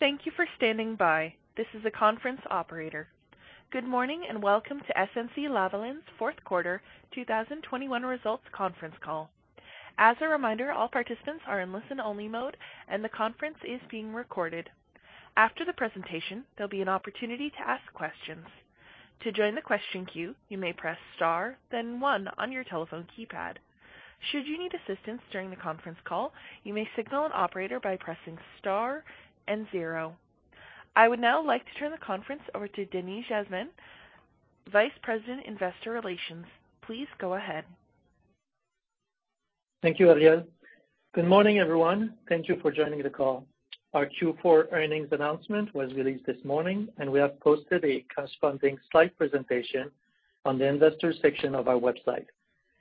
Thank you for standing by. This is the conference operator. Good morning, and welcome to SNC-Lavalin's Q4 2021 results conference call. As a reminder, all participants are in listen-only mode, and the conference is being recorded. After the presentation, there'll be an opportunity to ask questions. To join the question queue, you may press Star, then one on your telephone keypad. Should you need assistance during the conference call, you may signal an operator by pressing Star and zero. I would now like to turn the conference over to Denis Jasmin, Vice President, Investor Relations. Please go ahead. Thank you, Ariel. Good morning, everyone. Thank you for joining the call. Our Q4 earnings announcement was released this morning, and we have posted a corresponding slide presentation on the investor section of our website.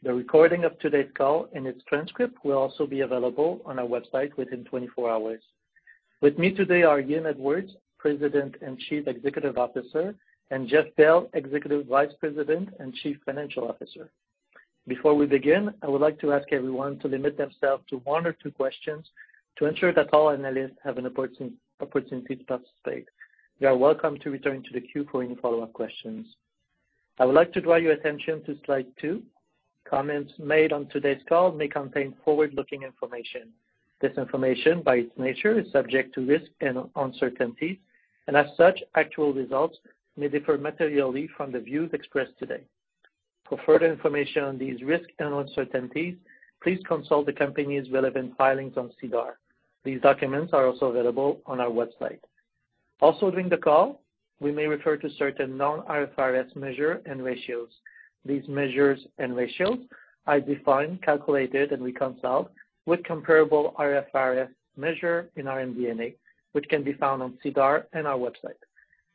The recording of today's call and its transcript will also be available on our website within 24 hours. With me today are Ian Edwards, President and Chief Executive Officer, and Jeff Bell, Executive Vice President and Chief Financial Officer. Before we begin, I would like to ask everyone to limit themselves to one or two questions to ensure that all analysts have an opportunity to participate. You are welcome to return to the queue for any follow-up questions. I would like to draw your attention to slide 2. Comments made on today's call may contain forward-looking information. This information, by its nature, is subject to risks and uncertainties, and as such, actual results may differ materially from the views expressed today. For further information on these risks and uncertainties, please consult the company's relevant filings on SEDAR. These documents are also available on our website. During the call, we may refer to certain non-IFRS measures and ratios. These measures and ratios are defined, calculated, and reconciled with comparable IFRS measures in our MD&A, which can be found on SEDAR and our website.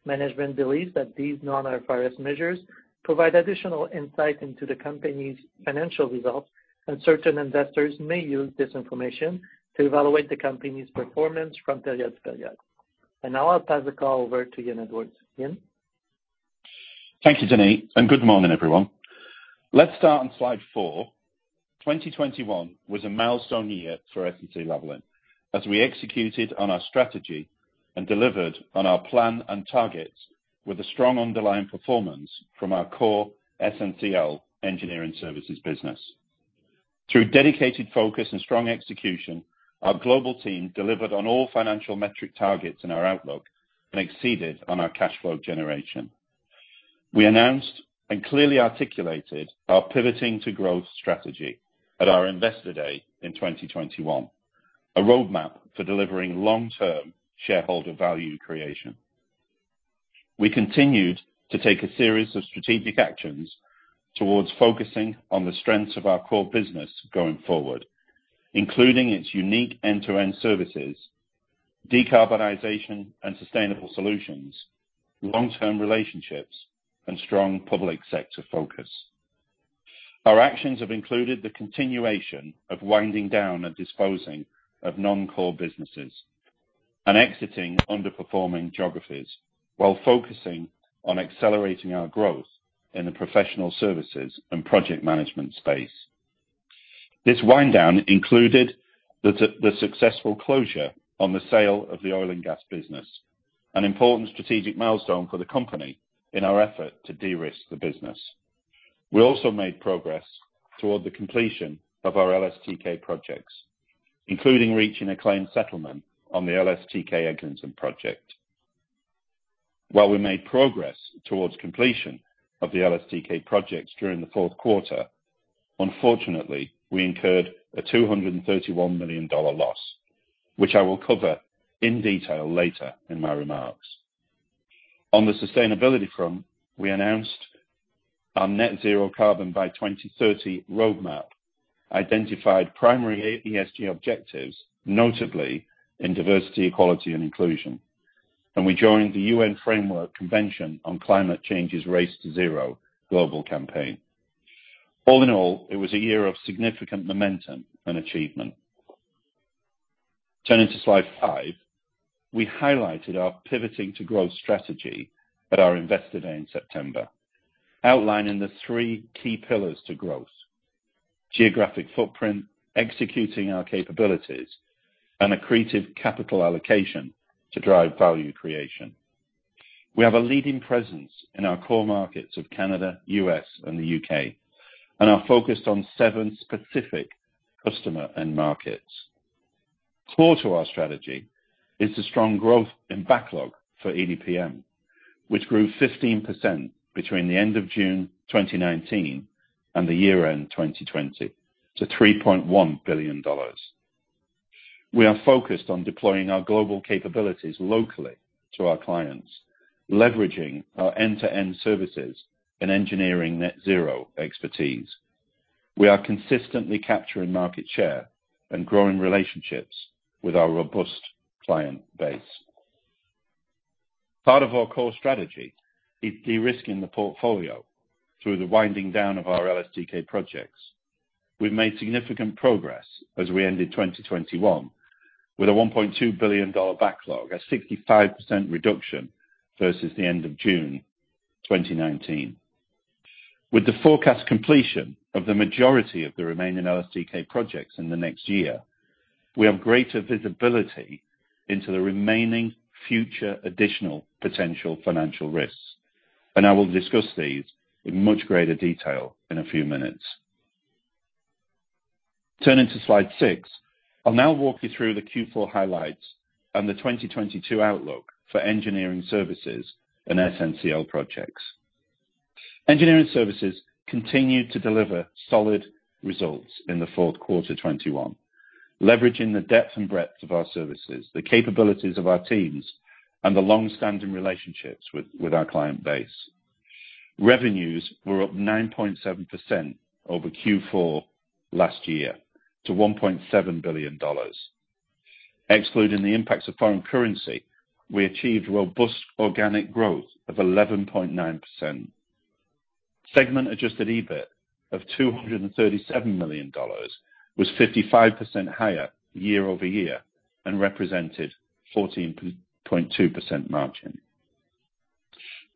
Management believes that these non-IFRS measures provide additional insight into the company's financial results, and certain investors may use this information to evaluate the company's performance from period to period. Now I'll pass the call over to Ian Edwards. Ian. Thank you, Denis, and good morning, everyone. Let's start on slide four. 2021 was a milestone year for SNC-Lavalin as we executed on our strategy and delivered on our plan and targets with a strong underlying performance from our core SNCL Engineering Services business. Through dedicated focus and strong execution, our global team delivered on all financial metric targets in our outlook and exceeded on our cash flow generation. We announced and clearly articulated our pivoting to growth strategy at our Investor Day in 2021, a roadmap for delivering long-term shareholder value creation. We continued to take a series of strategic actions towards focusing on the strengths of our core business going forward, including its unique end-to-end services, decarbonization and sustainable solutions, long-term relationships, and strong public sector focus. Our actions have included the continuation of winding down and disposing of non-core businesses and exiting underperforming geographies while focusing on accelerating our growth in the professional services and project management space. This wind down included the successful closure of the sale of the oil and gas business, an important strategic milestone for the company in our effort to de-risk the business. We also made progress toward the completion of our LSTK projects, including reaching a claim settlement on the LSTK Eglinton project. While we made progress towards completion of the LSTK projects during the Q4, unfortunately, we incurred a 231 million dollar loss, which I will cover in detail later in my remarks. On the sustainability front, we announced our net zero carbon by 2030 roadmap, identified primary ESG objectives, notably in diversity, equality, and inclusion. We joined the UN Framework Convention on Climate Change's Race to Zero global campaign. All in all, it was a year of significant momentum and achievement. Turning to slide five. We highlighted our pivoting to growth strategy at our Investor Day in September, outlining the three key pillars to growth, geographic footprint, executing our capabilities, and accretive capital allocation to drive value creation. We have a leading presence in our core markets of Canada, U.S., and U.K., and are focused on seven specific customer end markets. Core to our strategy is the strong growth in backlog for EDPM, which grew 15% between the end of June 2019 and the year-end 2020, to 3.1 billion dollars. We are focused on deploying our global capabilities locally to our clients, leveraging our end-to-end services and engineering net zero expertise. We are consistently capturing market share and growing relationships with our robust client base. Part of our core strategy is de-risking the portfolio through the winding down of our LSTK projects. We've made significant progress as we ended 2021 with a 1.2 billion dollar backlog, a 65% reduction versus the end of June 2019. With the forecast completion of the majority of the remaining LSTK projects in the next year, we have greater visibility into the remaining future additional potential financial risks, and I will discuss these in much greater detail in a few minutes. Turning to slide 6. I'll now walk you through the Q4 highlights and the 2022 outlook for engineering services and SNCL projects. Engineering Services continued to deliver solid results in the Q4 2021, leveraging the depth and breadth of our services, the capabilities of our teams, and the long-standing relationships with our client base. Revenues were up 9.7% over Q4 last year to 1.7 billion dollars. Excluding the impacts of foreign currency, we achieved robust organic growth of 11.9%. Segment adjusted EBIT of 237 million dollars was 55% higher year-over-year and represented 14.2% margin.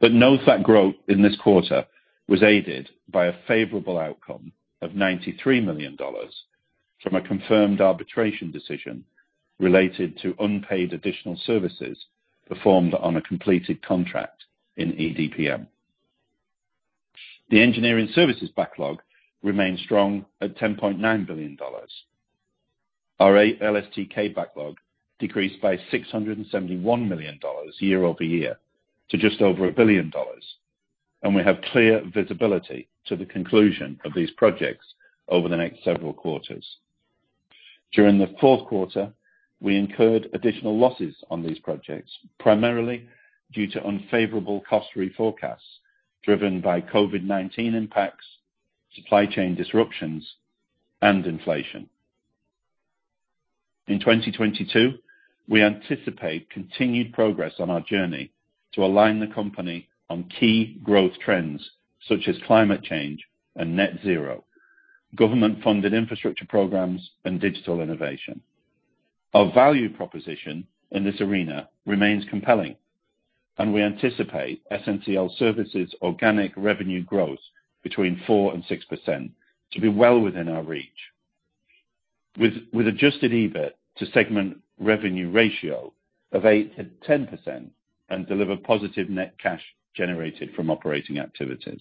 Note that growth in this quarter was aided by a favorable outcome of 93 million dollars from a confirmed arbitration decision related to unpaid additional services performed on a completed contract in EDPM. The Engineering Services backlog remains strong at 10.9 billion dollars. Our LSTK backlog decreased by 671 million dollars year over year to just over 1 billion dollars, and we have clear visibility to the conclusion of these projects over the next several quarters. During the Q4, we incurred additional losses on these projects, primarily due to unfavorable cost forecasts driven by COVID-19 impacts, supply chain disruptions, and inflation. In 2022, we anticipate continued progress on our journey to align the company on key growth trends such as climate change and net zero, government-funded infrastructure programs, and digital innovation. Our value proposition in this arena remains compelling, and we anticipate SNCL services organic revenue growth between 4% and 6% to be well within our reach with adjusted EBIT to segment revenue ratio of 8%-10% and deliver positive net cash generated from operating activities.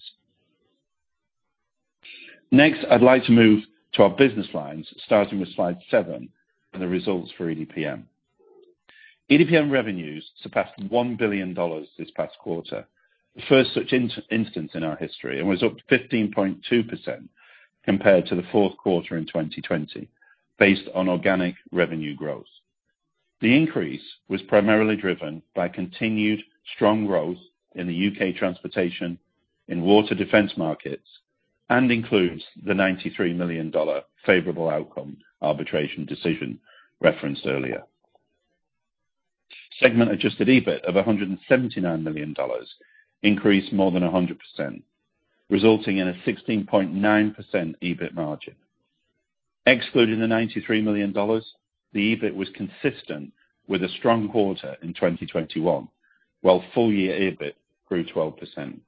Next, I'd like to move to our business lines, starting with slide 7 and the results for EDPM. EDPM revenues surpassed 1 billion dollars this past quarter. The first such instance in our history and was up 15.22% compared to the Q4 in 2020 based on organic revenue growth. The increase was primarily driven by continued strong growth in the U.K. transportation, in water defense markets, and includes the 93 million dollar favorable outcome arbitration decision referenced earlier. Segment-adjusted EBIT of 179 million dollars increased more than 100%, resulting in a 16.9% EBIT margin. Excluding the 93 million dollars, the EBIT was consistent with a strong quarter in 2021, while full year EBIT grew 12%.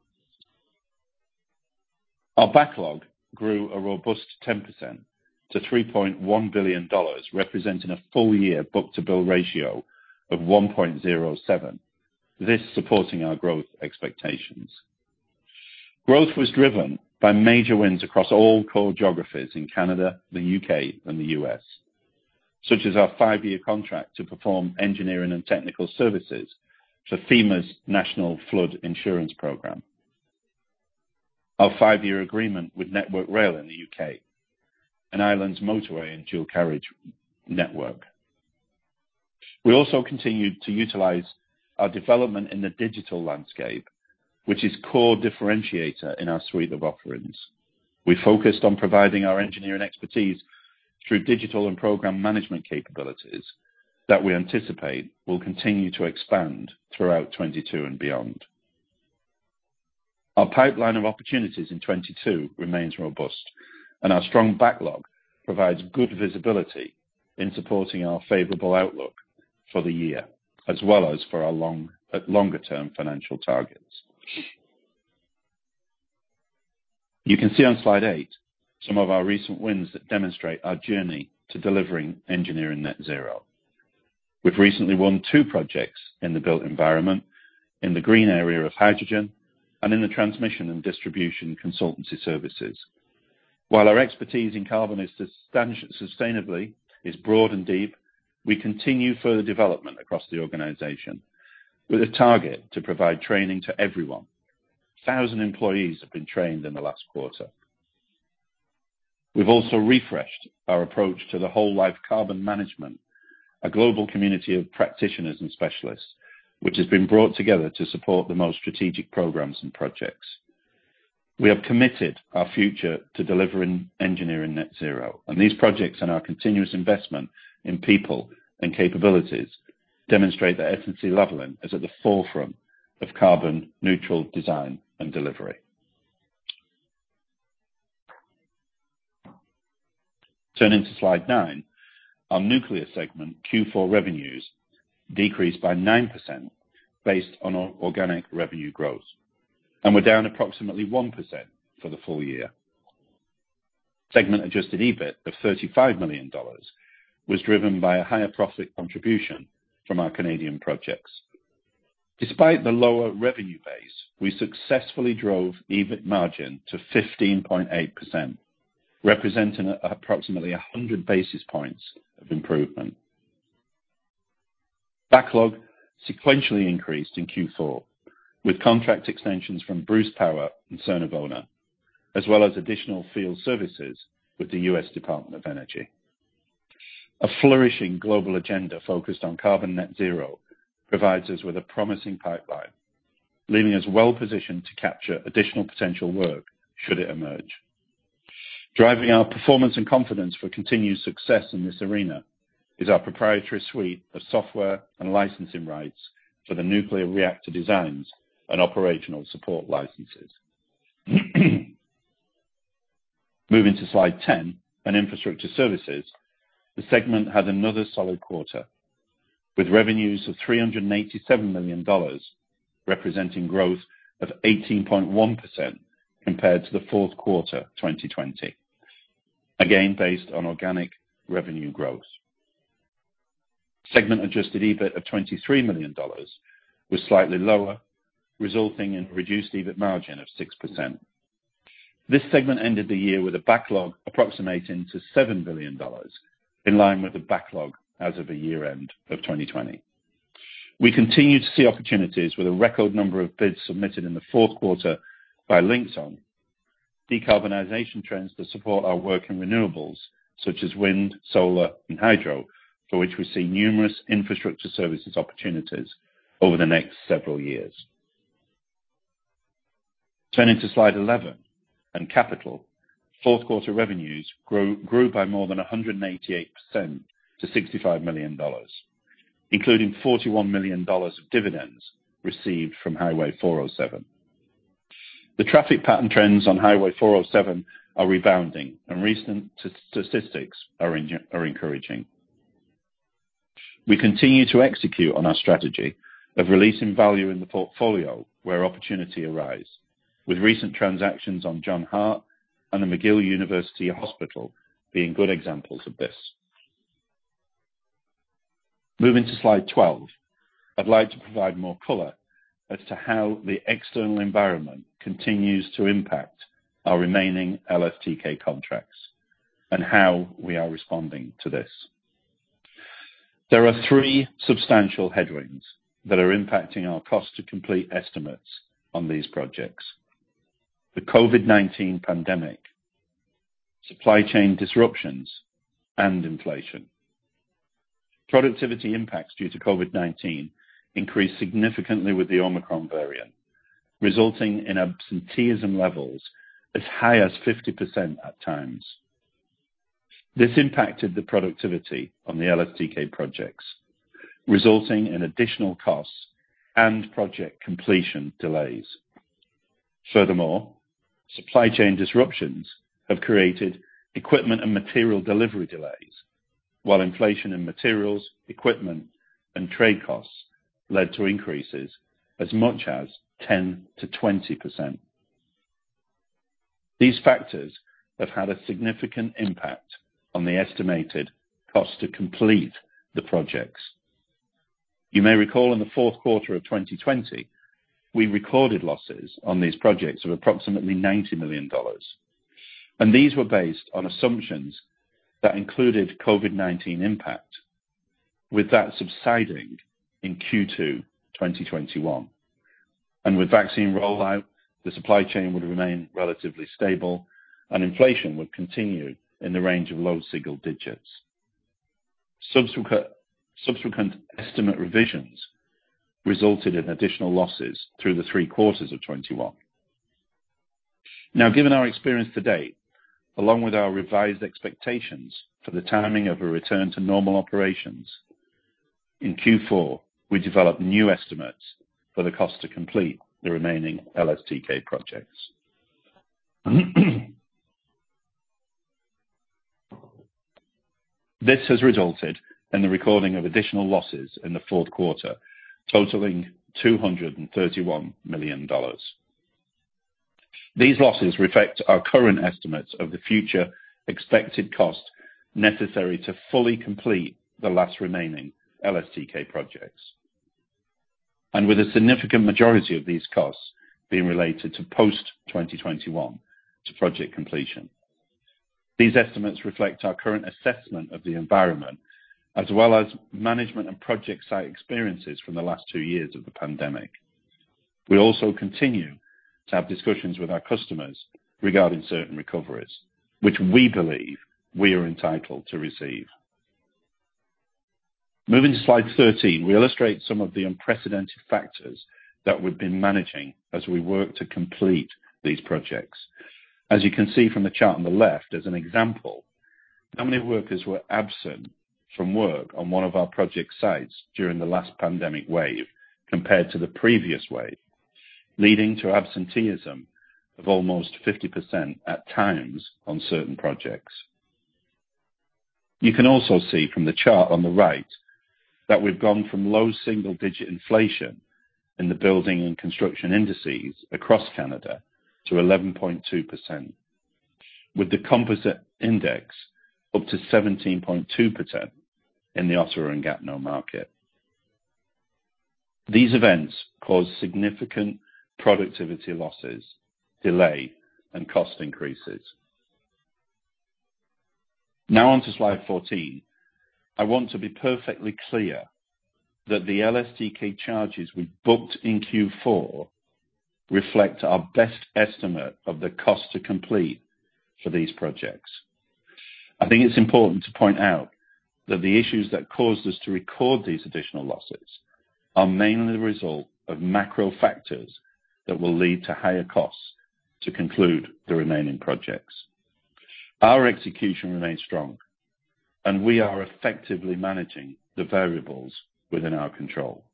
Our backlog grew a robust 10% to CAD 3.1 billion, representing a full year book-to-bill ratio of 1.07. This supporting our growth expectations. Growth was driven by major wins across all core geographies in Canada, the U.K., and the U.S. Such as our five-year contract to perform engineering and technical services for FEMA's National Flood Insurance Program. Our five-year agreement with Network Rail in the U.K., and Ireland's motorway and dual carriage network. We also continued to utilize our development in the digital landscape, which is core differentiator in our suite of offerings. We focused on providing our engineering expertise through digital and program management capabilities that we anticipate will continue to expand throughout 2022 and beyond. Our pipeline of opportunities in 2022 remains robust, and our strong backlog provides good visibility in supporting our favorable outlook for the year as well as for our longer-term financial targets. You can see on slide 8 some of our recent wins that demonstrate our journey to delivering engineering net zero. We've recently won two projects in the built environment, in the green area of hydrogen, and in the transmission and distribution consultancy services. While our expertise in sustainability is broad and deep, we continue further development across the organization with a target to provide training to everyone. 1,000 employees have been trained in the last quarter. We've also refreshed our approach to the whole life carbon management, a global community of practitioners and specialists, which has been brought together to support the most strategic programs and projects. We have committed our future to delivering engineering net zero, and these projects and our continuous investment in people and capabilities demonstrate that SNC-Lavalin is at the forefront of carbon neutral design and delivery. Turning to slide 9, our nuclear segment Q4 revenues decreased by 9% based on our organic revenue growth, and we're down approximately 1% for the full year. Segment adjusted EBIT of 35 million dollars was driven by a higher profit contribution from our Canadian projects. Despite the lower revenue base, we successfully drove EBIT margin to 15.8%, representing approximately 100 basis points of improvement. Backlog sequentially increased in Q4 with contract extensions from Bruce Power and Saugeen Ojibway Nation, as well as additional field services with the U.S. Department of Energy. A flourishing global agenda focused on carbon net zero provides us with a promising pipeline, leaving us well-positioned to capture additional potential work should it emerge. Driving our performance and confidence for continued success in this arena is our proprietary suite of software and licensing rights for the nuclear reactor designs and operational support licenses. Moving to slide 10 on Infrastructure Services. The segment had another solid quarter, with revenues of 387 million dollars, representing growth of 18.1% compared to the Q4 2020, again based on organic revenue growth. Segment adjusted EBIT of 23 million dollars was slightly lower, resulting in reduced EBIT margin of 6%. This segment ended the year with a backlog approximating to 7 billion dollars, in line with the backlog as of the year-end of 2020. We continue to see opportunities with a record number of bids submitted in the Q4 by Linxon, decarbonization trends that support our work in renewables such as wind, solar and hydro, for which we see numerous infrastructure services opportunities over the next several years. Turning to slide 11 and capital. Q4 revenues grew by more than 188% to 65 million dollars, including 41 million dollars of dividends received from Highway 407. The traffic pattern trends on Highway 407 are rebounding and recent statistics are encouraging. We continue to execute on our strategy of releasing value in the portfolio where opportunity arise. With recent transactions on John Hart and the McGill University Hospital being good examples of this. Moving to slide 12. I'd like to provide more color as to how the external environment continues to impact our remaining LSTK contracts and how we are responding to this. There are three substantial headwinds that are impacting our cost to complete estimates on these projects. The COVID-19 pandemic, supply chain disruptions, and inflation. Productivity impacts due to COVID-19 increased significantly with the Omicron variant, resulting in absenteeism levels as high as 50% at times. This impacted the productivity on the LSTK projects, resulting in additional costs and project completion delays. Furthermore, supply chain disruptions have created equipment and material delivery delays, while inflation in materials, equipment, and trade costs led to increases as much as 10%-20%. These factors have had a significant impact on the estimated cost to complete the projects. You may recall in the Q4 of 2020, we recorded losses on these projects of approximately 90 million dollars, and these were based on assumptions that included COVID-19 impact. With that subsiding in Q2 2021, and with vaccine rollout, the supply chain would remain relatively stable and inflation would continue in the range of low single digits. Subsequent estimate revisions resulted in additional losses through the three quarters of 2021. Now, given our experience to date, along with our revised expectations for the timing of a return to normal operations, in Q4, we developed new estimates for the cost to complete the remaining LSTK projects. This has resulted in the recording of additional losses in the Q4, totaling 231 million dollars. These losses reflect our current estimates of the future expected cost necessary to fully complete the last remaining LSTK projects, and with a significant majority of these costs being related to post-2021 to project completion. These estimates reflect our current assessment of the environment, as well as management and project site experiences from the last two years of the pandemic. We also continue to have discussions with our customers regarding certain recoveries, which we believe we are entitled to receive. Moving to slide 13, we illustrate some of the unprecedented factors that we've been managing as we work to complete these projects. As you can see from the chart on the left, as an example, how many workers were absent from work on one of our project sites during the last pandemic wave compared to the previous wave, leading to absenteeism of almost 50% at times on certain projects. You can also see from the chart on the right that we've gone from low single-digit inflation in the building and construction indices across Canada to 11.2%, with the composite index up to 17.2% in the Ottawa and Gatineau market. These events cause significant productivity losses, delay, and cost increases. Now on to slide 14. I want to be perfectly clear that the LSTK charges we booked in Q4 reflect our best estimate of the cost to complete for these projects. I think it's important to point out that the issues that caused us to record these additional losses are mainly the result of macro factors that will lead to higher costs to conclude the remaining projects. Our execution remains strong and we are effectively managing the variables within our control.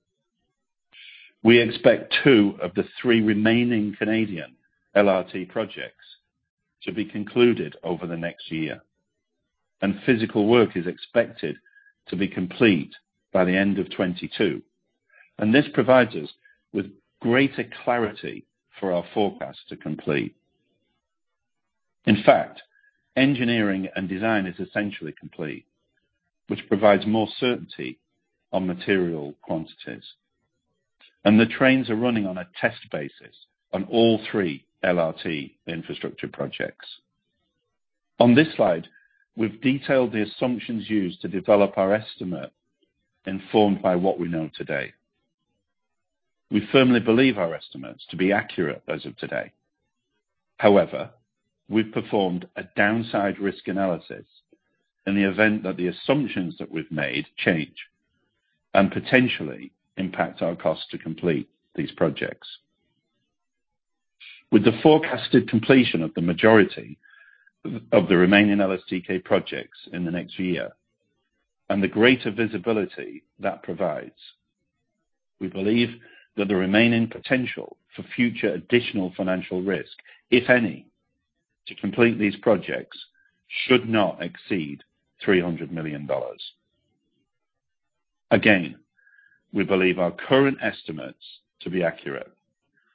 We expect two of the three remaining Canadian LRT projects to be concluded over the next year, and physical work is expected to be complete by the end of 2022. This provides us with greater clarity for our forecast to complete. In fact, engineering and design is essentially complete, which provides more certainty on material quantities. The trains are running on a test basis on all three LRT infrastructure projects. On this slide, we've detailed the assumptions used to develop our estimate informed by what we know today. We firmly believe our estimates to be accurate as of today. However, we've performed a downside risk analysis in the event that the assumptions that we've made change and potentially impact our cost to complete these projects. With the forecasted completion of the majority of the remaining LSTK projects in the next year and the greater visibility that provides, we believe that the remaining potential for future additional financial risk, if any, to complete these projects should not exceed 300 million dollars. Again, we believe our current estimates to be accurate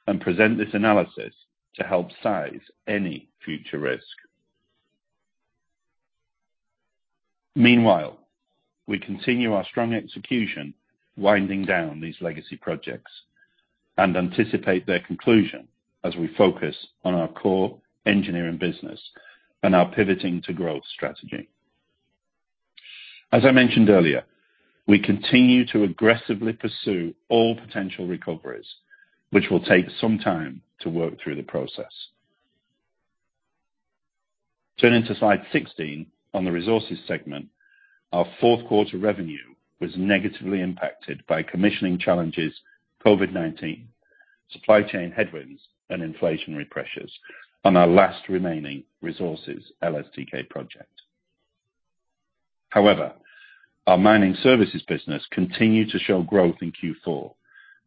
and present this analysis to help size any future risk. Meanwhile, we continue our strong execution winding down these legacy projects and anticipate their conclusion as we focus on our core engineering business and our pivoting to growth strategy. As I mentioned earlier, we continue to aggressively pursue all potential recoveries, which will take some time to work through the process. Turning to slide 16 on the resources segment. Our Q4 revenue was negatively impacted by commissioning challenges, COVID-19, supply chain headwinds, and inflationary pressures on our last remaining resources LSTK project. However, our mining services business continued to show growth in Q4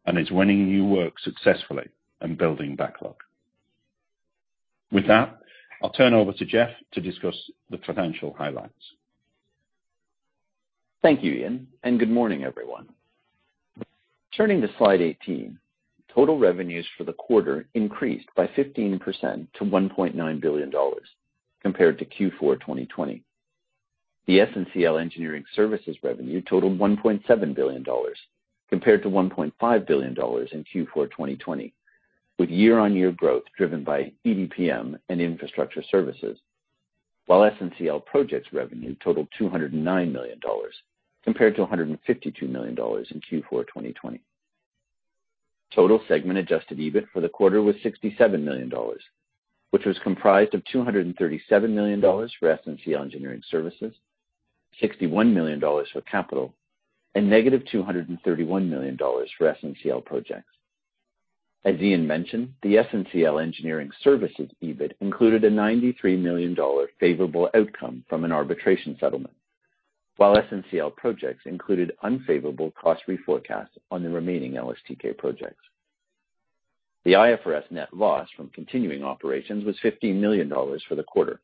and is winning new work successfully and building backlog. With that, I'll turn over to Jeff to discuss the financial highlights. Thank you, Ian, and good morning, everyone. Turning to slide 18. Total revenues for the quarter increased by 15% to 1.9 billion dollars compared to Q4 2020. The SNCL Engineering Services revenue totaled 1.7 billion dollars compared to 1.5 billion dollars in Q4 2020, with year-on-year growth driven by EDPM and infrastructure services. While SNCL Projects revenue totaled 209 million dollars compared to 152 million dollars in Q4 2020. Total segment adjusted EBIT for the quarter was 67 million dollars, which was comprised of 237 million dollars for SNCL Engineering Services, 61 million dollars for Capital, and -231 million dollars for SNCL Projects. As Ian mentioned, the SNCL Engineering Services EBIT included a 93 million dollar favorable outcome from an arbitration settlement, while SNCL Projects included unfavorable cost reforecast on the remaining LSTK projects. The IFRS net loss from continuing operations was 15 million dollars for the quarter,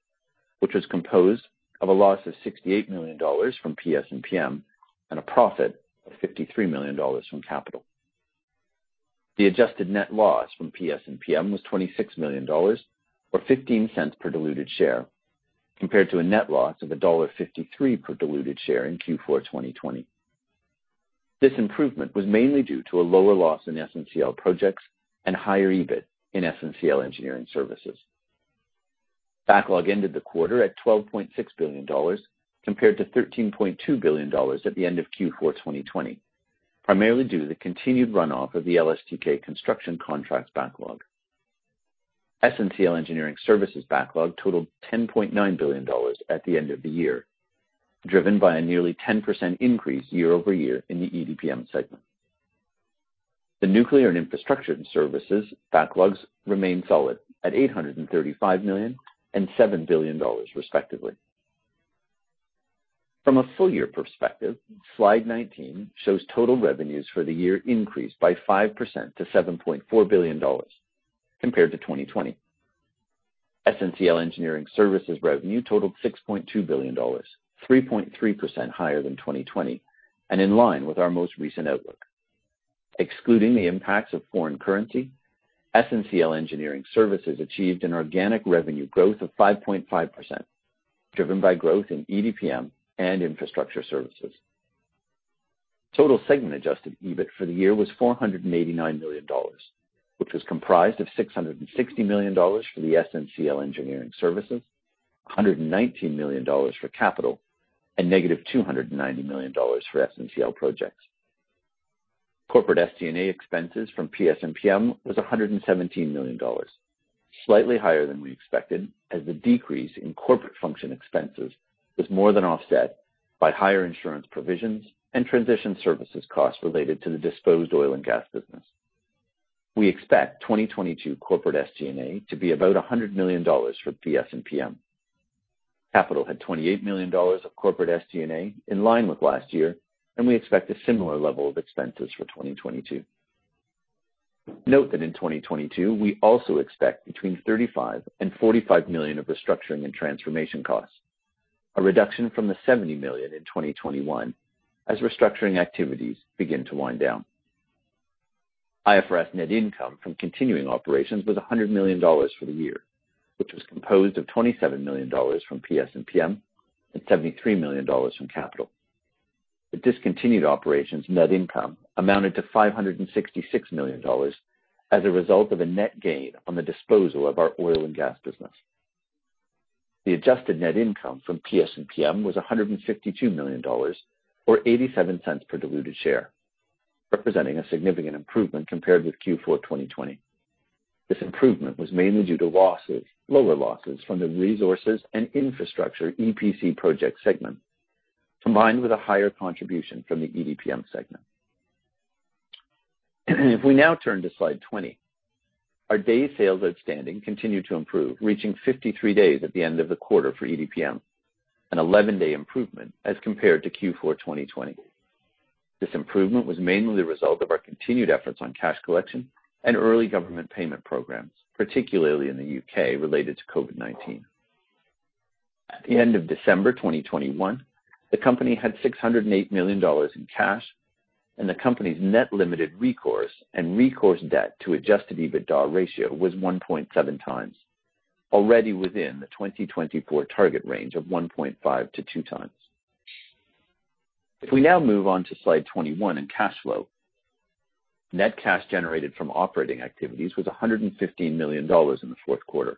which was composed of a loss of 68 million dollars from PS&PM and a profit of 53 million dollars from Capital. The adjusted net loss from PS&PM was 26 million dollars, or 0.15 per diluted share, compared to a net loss of dollar 1.53 per diluted share in Q4 2020. This improvement was mainly due to a lower loss in SNCL Projects and higher EBIT in SNCL Engineering Services. Backlog ended the quarter at 12.6 billion dollars compared to 13.2 billion dollars at the end of Q4 2020, primarily due to the continued runoff of the LSTK construction contracts backlog. SNCL Engineering Services backlog totaled 10.9 billion dollars at the end of the year, driven by a nearly 10% increase year-over-year in the EDPM segment. The nuclear and infrastructure services backlogs remain solid at 835 million and 7 billion dollars, respectively. From a full year perspective, slide 19 shows total revenues for the year increased by 5% to 7.4 billion dollars compared to 2020. SNCL Engineering Services revenue totaled 6.2 billion dollars, 3.3% higher than 2020 and in line with our most recent outlook. Excluding the impacts of foreign currency, SNCL Engineering Services achieved an organic revenue growth of 5.5%, driven by growth in EDPM and infrastructure services. Total segment adjusted EBIT for the year was 489 million dollars, which was comprised of 660 million dollars for the SNCL Engineering Services, 119 million dollars for capital, and -290 million dollars for SNCL projects. Corporate SG&A expenses from PS&PM was 117 million dollars, slightly higher than we expected as the decrease in corporate function expenses was more than offset by higher insurance provisions and transition services costs related to the disposed oil and gas business. We expect 2022 corporate SG&A to be about 100 million dollars for PS&PM. Capital had 28 million dollars of corporate SG&A in line with last year, and we expect a similar level of expenses for 2022. Note that in 2022, we also expect between 35 million and 45 million of restructuring and transformation costs, a reduction from the 70 million in 2021 as restructuring activities begin to wind down. IFRS net income from continuing operations was 100 million dollars for the year, which was composed of 27 million dollars from PS&PM and 73 million dollars from capital. The discontinued operations net income amounted to 566 million dollars as a result of a net gain on the disposal of our oil and gas business. The adjusted net income from PS&PM was 152 million dollars, or 0.87 per diluted share, representing a significant improvement compared with Q4 2020. This improvement was mainly due to lower losses from the resources and infrastructure EPC project segment, combined with a higher contribution from the EDPM segment. If we now turn to slide 20, our day sales outstanding continued to improve, reaching 53 days at the end of the quarter for EDPM, an 11-day improvement as compared to Q4 2020. This improvement was mainly the result of our continued efforts on cash collection and early government payment programs, particularly in the U.K., related to COVID-19. At the end of December 2021, the company had 608 million dollars in cash, and the company's net limited recourse and recourse debt to adjusted EBITDA ratio was 1.7 times, already within the 2024 target range of 1.5-2 times. If we now move on to slide 21 in cash flow. Net cash generated from operating activities was 115 million dollars in the Q4.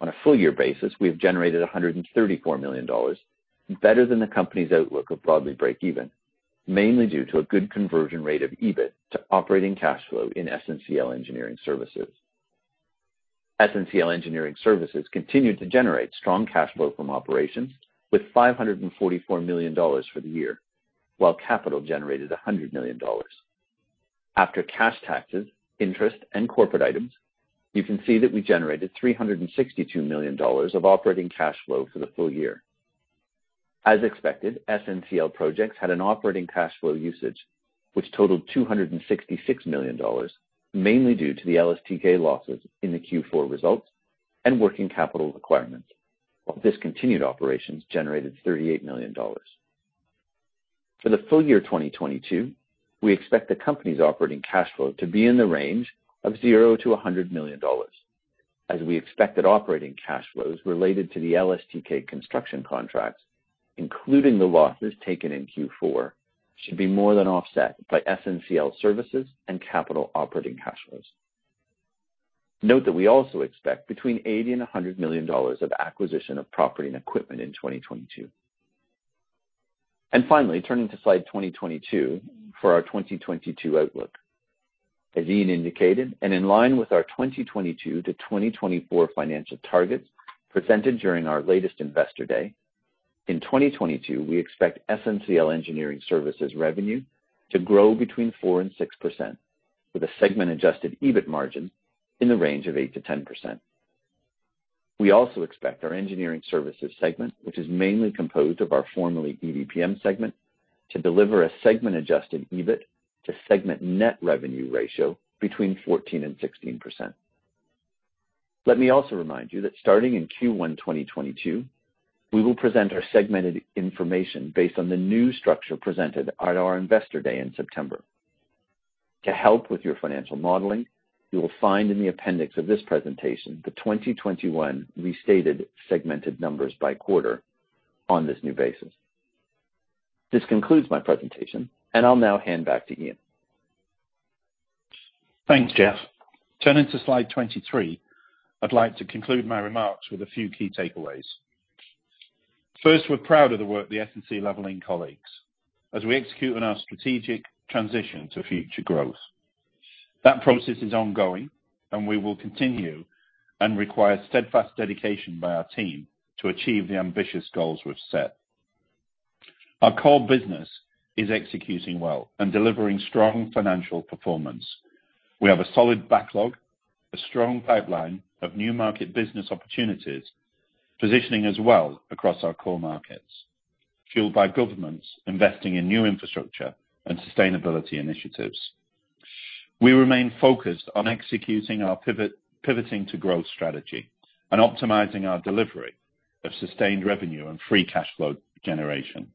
On a full year basis, we have generated 134 million dollars, better than the company's outlook of broadly break even, mainly due to a good conversion rate of EBIT to operating cash flow in SNCL Engineering Services. SNCL Engineering Services continued to generate strong cash flow from operations with 544 million dollars for the year, while capital generated 100 million dollars. After cash taxes, interest, and corporate items, you can see that we generated 362 million dollars of operating cash flow for the full year. As expected, SNCL Projects had an operating cash flow usage which totaled 266 million dollars, mainly due to the LSTK losses in the Q4 results and working capital requirements while discontinued operations generated 38 million dollars. For the full year 2022, we expect the company's operating cash flow to be in the range of 0 million-100 million dollars as we expected operating cash flows related to the LSTK construction contracts, including the losses taken in Q4, should be more than offset by SNCL services and capital operating cash flows. Note that we also expect between 80 million and 100 million dollars of acquisition of property and equipment in 2022. Finally turning to slide 22 for our 2022 outlook. As Ian indicated, and in line with our 2022-2024 financial targets presented during our latest Investor Day, in 2022, we expect SNCL Engineering Services revenue to grow between 4%-6% with a segment-adjusted EBIT margin in the range of 8%-10%. We also expect our engineering services segment, which is mainly composed of our formerly EDPM segment, to deliver a segment-adjusted EBIT to segment net revenue ratio between 14%-16%. Let me also remind you that starting in Q1 2022, we will present our segmented information based on the new structure presented at our Investor Day in September. To help with your financial modeling, you will find in the appendix of this presentation the 2021 restated segmented numbers by quarter on this new basis. This concludes my presentation. I'll now hand back to Ian. Thanks, Jeff. Turning to slide 23, I'd like to conclude my remarks with a few key takeaways. First, we're proud of the work of the SNCL colleagues as we execute on our strategic transition to future growth. That process is ongoing and we will continue and require steadfast dedication by our team to achieve the ambitious goals we've set. Our core business is executing well and delivering strong financial performance. We have a solid backlog, a strong pipeline of new market business opportunities, positioning us well across our core markets, fueled by governments investing in new infrastructure and sustainability initiatives. We remain focused on executing our pivot, pivoting to growth strategy and optimizing our delivery of sustained revenue and free cash flow generation.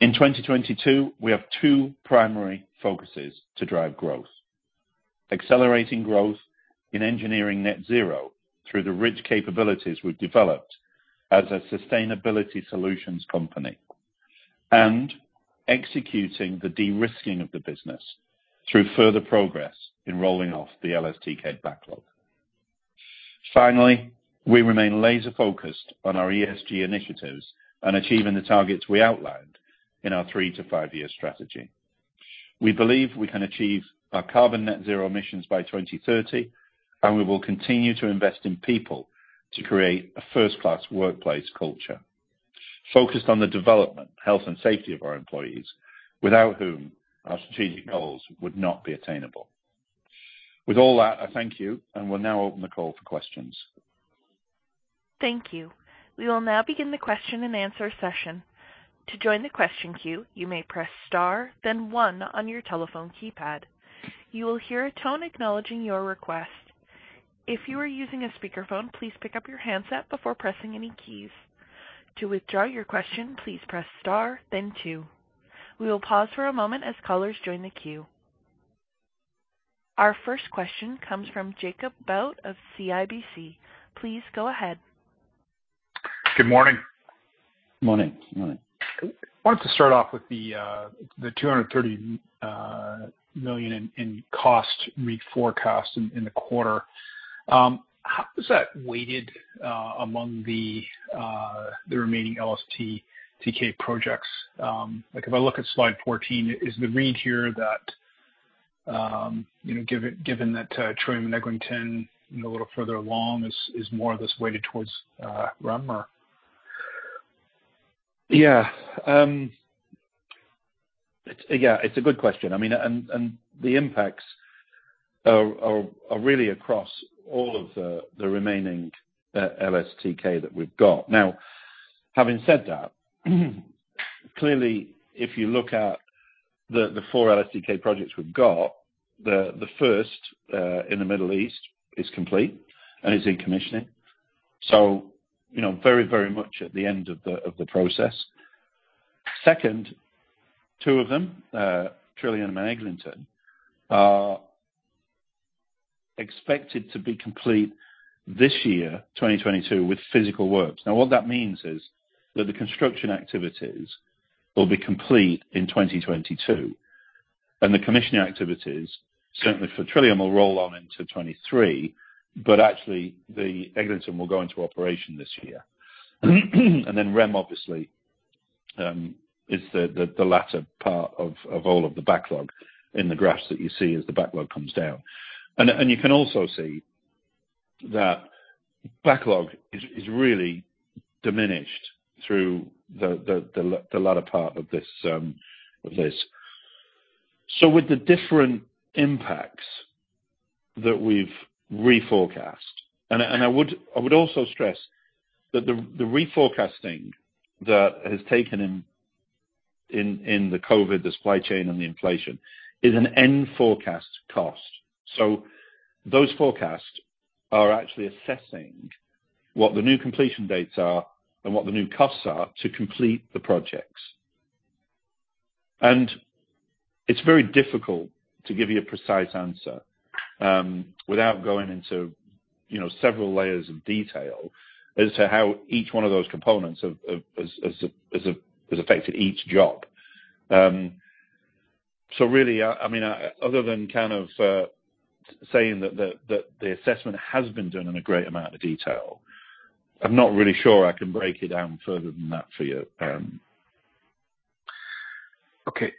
In 2022, we have two primary focuses to drive growth. Accelerating growth in engineering net zero through the rich capabilities we've developed as a sustainability solutions company, and executing the de-risking of the business through further progress in rolling off the LSTK backlog. Finally, we remain laser focused on our ESG initiatives and achieving the targets we outlined in our 3- to 5-year strategy. We believe we can achieve our carbon net zero emissions by 2030, and we will continue to invest in people to create a first-class workplace culture focused on the development, health, and safety of our employees, without whom our strategic goals would not be attainable. With all that, I thank you, and we'll now open the call for questions. Thank you. We will now begin the question-and-answer session. To join the question queue, you may press Star, then one on your telephone keypad. You will hear a tone acknowledging your request. If you are using a speakerphone, please pick up your handset before pressing any keys. To withdraw your question, please press Star then two. We will pause for a moment as callers join the queue. Our first question comes from Jacob Bout of CIBC. Please go ahead. Good morning. Good Morning. I wanted to start off with the 230 million in cost reforecast in the quarter. How is that weighted among the remaining LSTK projects? Like, if I look at slide 14, is the read here that, you know, given that Trillium and Eglinton a little further along is more of this weighted towards REM or? Yeah, it's a good question. I mean, the impacts are really across all of the remaining LSTK that we've got. Now, having said that, clearly, if you look at the four LSTK projects we've got, the first in the Middle East is complete and is in commissioning. You know, very much at the end of the process. Second, two of them, Trillium and Eglinton, are expected to be complete this year, 2022, with physical works. Now, what that means is that the construction activities will be complete in 2022, and the commissioning activities, certainly for Trillium, will roll on into 2023, but actually the Eglinton will go into operation this year. Then REM, obviously, is the latter part of all of the backlog in the graphs that you see as the backlog comes down. You can also see that backlog is really diminished through the latter part of this. With the different impacts that we've reforecast, I would also stress that the reforecasting that has taken in the COVID supply chain and the inflation is an end forecast cost. Those forecasts are actually assessing what the new completion dates are and what the new costs are to complete the projects. It's very difficult to give you a precise answer, without going into, you know, several layers of detail as to how each one of those components has affected each job. Really, I mean, other than kind of saying that the assessment has been done in a great amount of detail, I'm not really sure I can break it down further than that for you. Okay.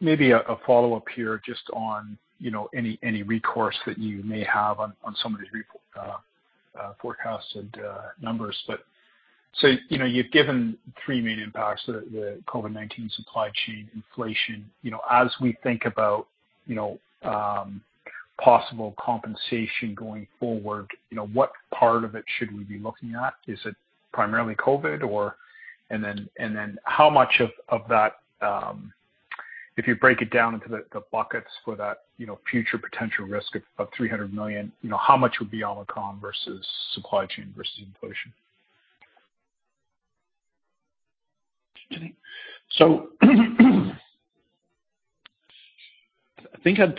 Maybe a follow-up here just on, you know, any recourse that you may have on some of these forecasts and numbers. You know, you've given three main impacts, the COVID-19, supply chain, inflation. You know, as we think about, you know, possible compensation going forward, you know, what part of it should we be looking at? Is it primarily COVID? Then how much of that, if you break it down into the buckets for that, you know, future potential risk of 300 million, you know, how much would be COVID versus supply chain versus inflation? I think I'd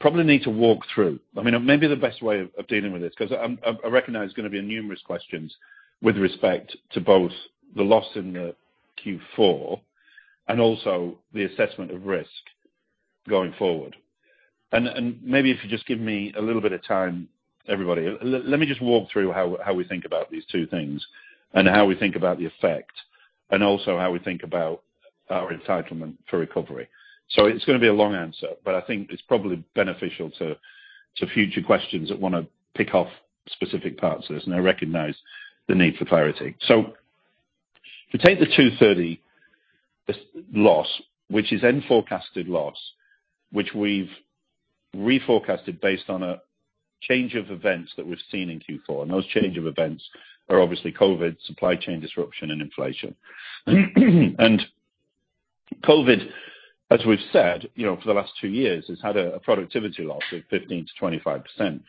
probably need to walk through. I mean, maybe the best way of dealing with this, 'cause I recognize there's going to be numerous questions with respect to both the loss in the Q4 and also the assessment of risk going forward. Maybe if you just give me a little bit of time, everybody. Let me just walk through how we think about these two things and how we think about the effect and also how we think about our entitlement for recovery. It's going to be a long answer, but I think it's probably beneficial to future questions that want to pick off specific parts of this, and I recognize the need for clarity. If you take the 230 million loss, which is the forecasted loss, which we've re-forecasted based on a change of events that we've seen in Q4, and those changes of events are obviously COVID, supply chain disruption, and inflation. COVID, as we've said, you know, for the last two years, has had a productivity loss of 15%-25%.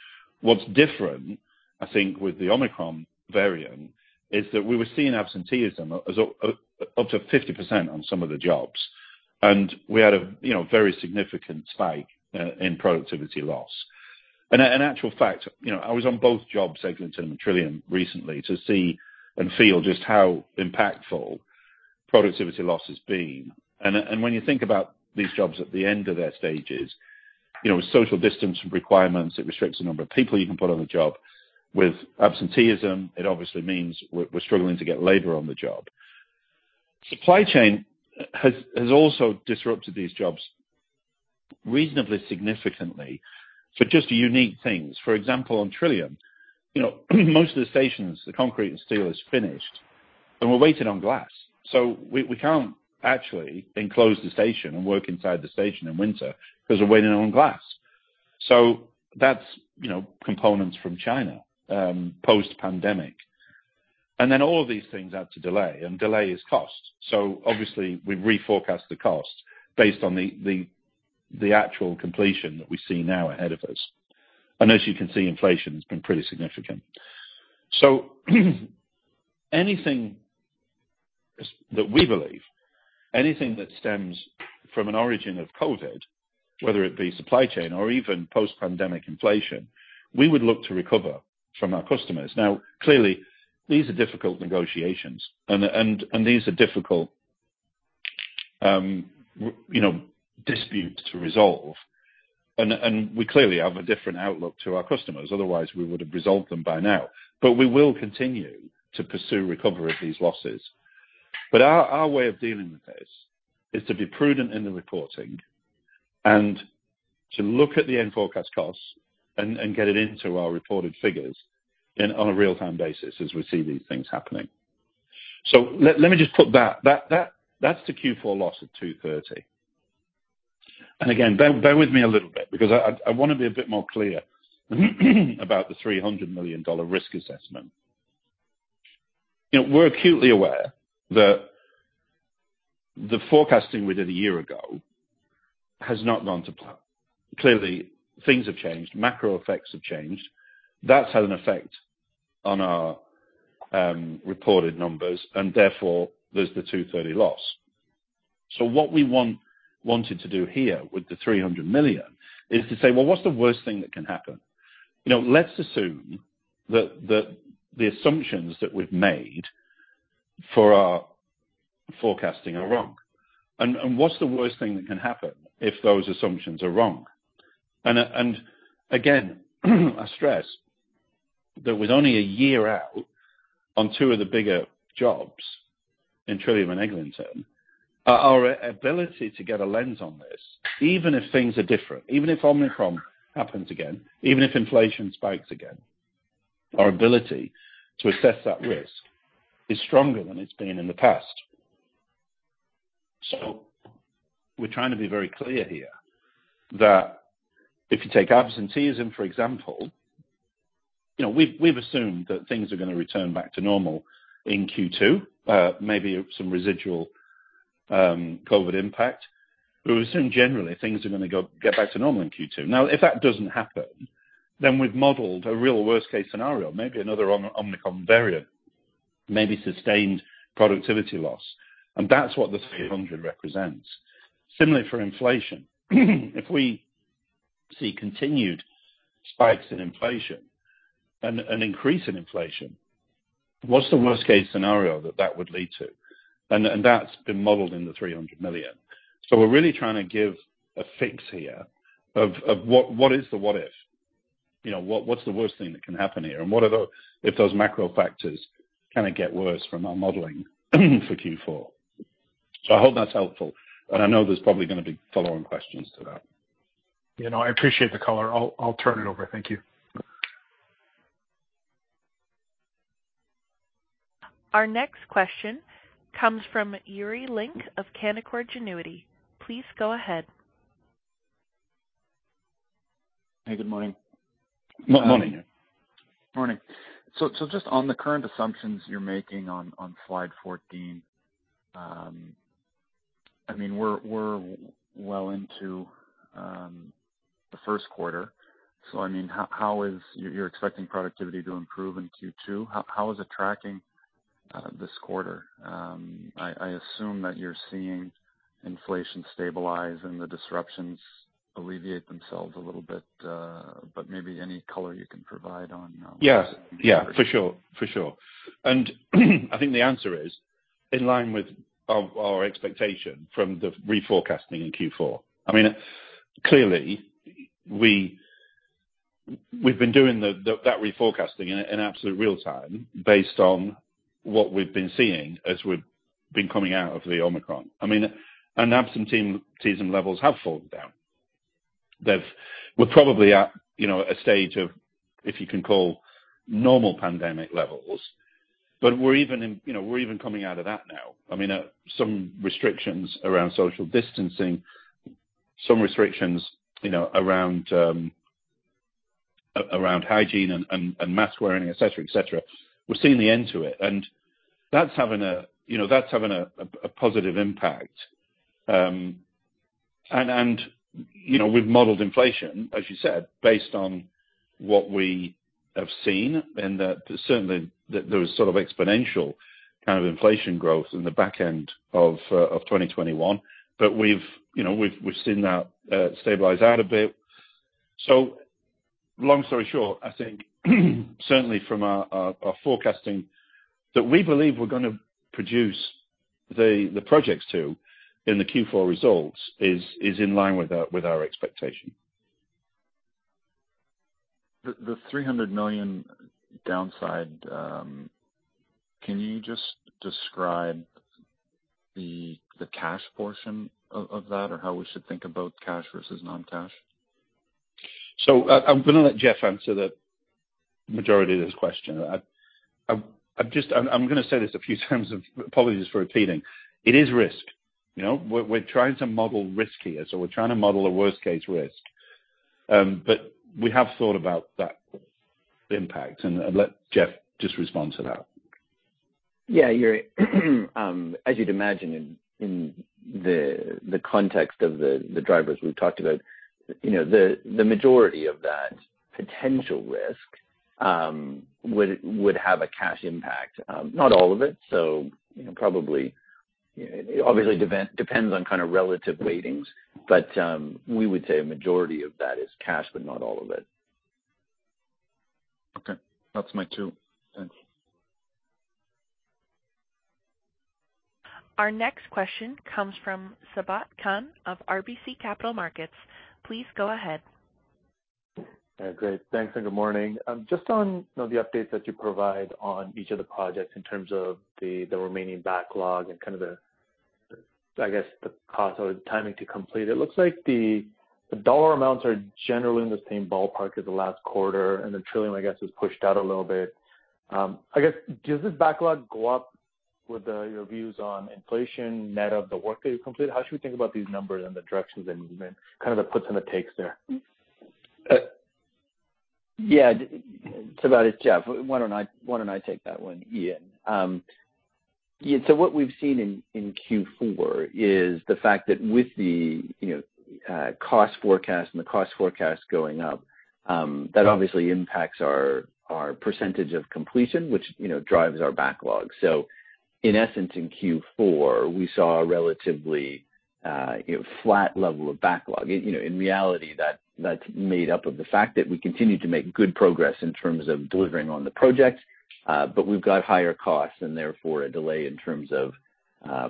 What's different, I think, with the Omicron variant, is that we were seeing absenteeism up to 50% on some of the jobs. We had, you know, a very significant spike in productivity loss. In actual fact, you know, I was on both job segments in Trillium recently to see and feel just how impactful productivity loss has been. When you think about these jobs at the end of their stages, you know, with social distancing requirements, it restricts the number of people you can put on a job. With absenteeism, it obviously means we're struggling to get labor on the job. Supply chain has also disrupted these jobs reasonably significantly for just unique things. For example, on Trillium, you know, most of the stations, the concrete and steel is finished, and we're waiting on glass. We can't actually enclose the station and work inside the station in winter 'cause we're waiting on glass. That's you know components from China post-pandemic. Then all of these things add to delay, and delay is cost. Obviously we've re-forecast the cost based on the actual completion that we see now ahead of us. As you can see, inflation has been pretty significant. Anything that we believe, anything that stems from an origin of COVID, whether it be supply chain or even post-pandemic inflation, we would look to recover from our customers. Clearly, these are difficult negotiations and these are difficult, you know, disputes to resolve. We clearly have a different outlook to our customers, otherwise we would have resolved them by now. We will continue to pursue recovery of these losses. Our way of dealing with this is to be prudent in the reporting and to look at the end forecast costs and get it into our reported figures and on a real-time basis as we see these things happening. Let me just put that. That's the Q4 loss of 230 million. Again, bear with me a little bit because I want to be a bit more clear about the 300 million dollar risk assessment. You know, we're acutely aware that the forecasting we did a year ago has not gone to plan. Clearly, things have changed. Macro effects have changed. That's had an effect on our reported numbers and therefore there's the 230 million loss. What we wanted to do here with the 300 million is to say, "Well, what's the worst thing that can happen?" You know, let's assume that the assumptions that we've made for our forecasting are wrong. What's the worst thing that can happen if those assumptions are wrong? Again, I stress that with only a year out on two of the bigger jobs in Trillium and Eglinton, our ability to get a lens on this, even if things are different, even if Omicron happens again, even if inflation spikes again, our ability to assess that risk is stronger than it's been in the past. We're trying to be very clear here that if you take absenteeism, for example, you know, we've assumed that things are going to return back to normal in Q2, maybe some residual COVID impact. We assume generally things are going to get back to normal in Q2. Now, if that doesn't happen, then we've modeled a real worst-case scenario, maybe another Omicron variant, maybe sustained productivity loss, and that's what the 300 represents. Similarly for inflation. If we see continued spikes in inflation and an increase in inflation, what's the worst-case scenario that that would lead to? That's been modeled in the 300 million. We're really trying to give a fix here of what is the what if? You know, what's the worst thing that can happen here? What if those macro factors kinda get worse from our modeling for Q4. I hope that's helpful. I know there's probably going to be follow-on questions to that. You know, I appreciate the color. I'll turn it over. Thank you. Our next question comes from Yuri Lynk of Canaccord Genuity. Please go ahead. Hey, good morning. Morning. Morning. Just on the current assumptions you're making on slide 14, we're well into the Q1. How is it tracking this quarter? I assume that you're seeing inflation stabilize and the disruptions alleviate themselves a little bit, but maybe any color you can provide on Yeah. For sure. I think the answer is in line with our expectation from the re-forecasting in Q4. I mean, clearly, we've been doing that re-forecasting in absolute real time based on what we've been seeing as we've been coming out of the Omicron. I mean, absenteeism levels have fallen down. We're probably at, you know, a stage of, if you can call it normal pandemic levels, but we're even coming out of that now. I mean, some restrictions around social distancing, you know, around hygiene and mask wearing, et cetera. We're seeing the end to it, and that's having a, you know, positive impact. You know, we've modeled inflation, as you said, based on what we have seen, and that certainly there was sort of exponential kind of inflation growth in the back end of 2021. You know, we've seen that stabilize out a bit. Long story short, I think certainly from our forecasting that we believe we're going to produce the projects too in the Q4 results is in line with our expectation. The CAD 300 million downside, can you just describe the cash portion of that? Or how we should think about cash versus non-cash? I'm going to let Jeff answer the majority of this question. I'm going to say this a few times, apologies for repeating. It is risk, you know? We're trying to model risk here, so we're trying to model a worst case risk. But we have thought about that impact. Let Jeff just respond to that. Yeah. You're as you'd imagine in the context of the drivers we've talked about, you know, the majority of that potential risk would have a cash impact. Not all of it, so you know, probably obviously depends on kind of relative weightings. We would say a majority of that is cash, but not all of it. Okay. That's my two. Thanks. Our next question comes from Sabahat Khan of RBC Capital Markets. Please go ahead. Yeah. Great. Thanks, and good morning. Just on, you know, the updates that you provide on each of the projects in terms of the remaining backlog and kind of the, I guess, cost or the timing to complete. It looks like the dollar amounts are generally in the same ballpark as the last quarter, and the Trillium, I guess, was pushed out a little bit. I guess, does this backlog go up with your views on inflation net of the work that you've completed? How should we think about these numbers and the directions and kind of the puts and the takes there? Sabat, it's Jeff. Why don't I take that one, Ian. What we've seen in Q4 is the fact that with the cost forecast going up, that obviously impacts our percentage of completion, which drives our backlog. In essence, in Q4, we saw a relatively flat level of backlog. In reality that's made up of the fact that we continue to make good progress in terms of delivering on the projects, but we've got higher costs and therefore a delay in terms of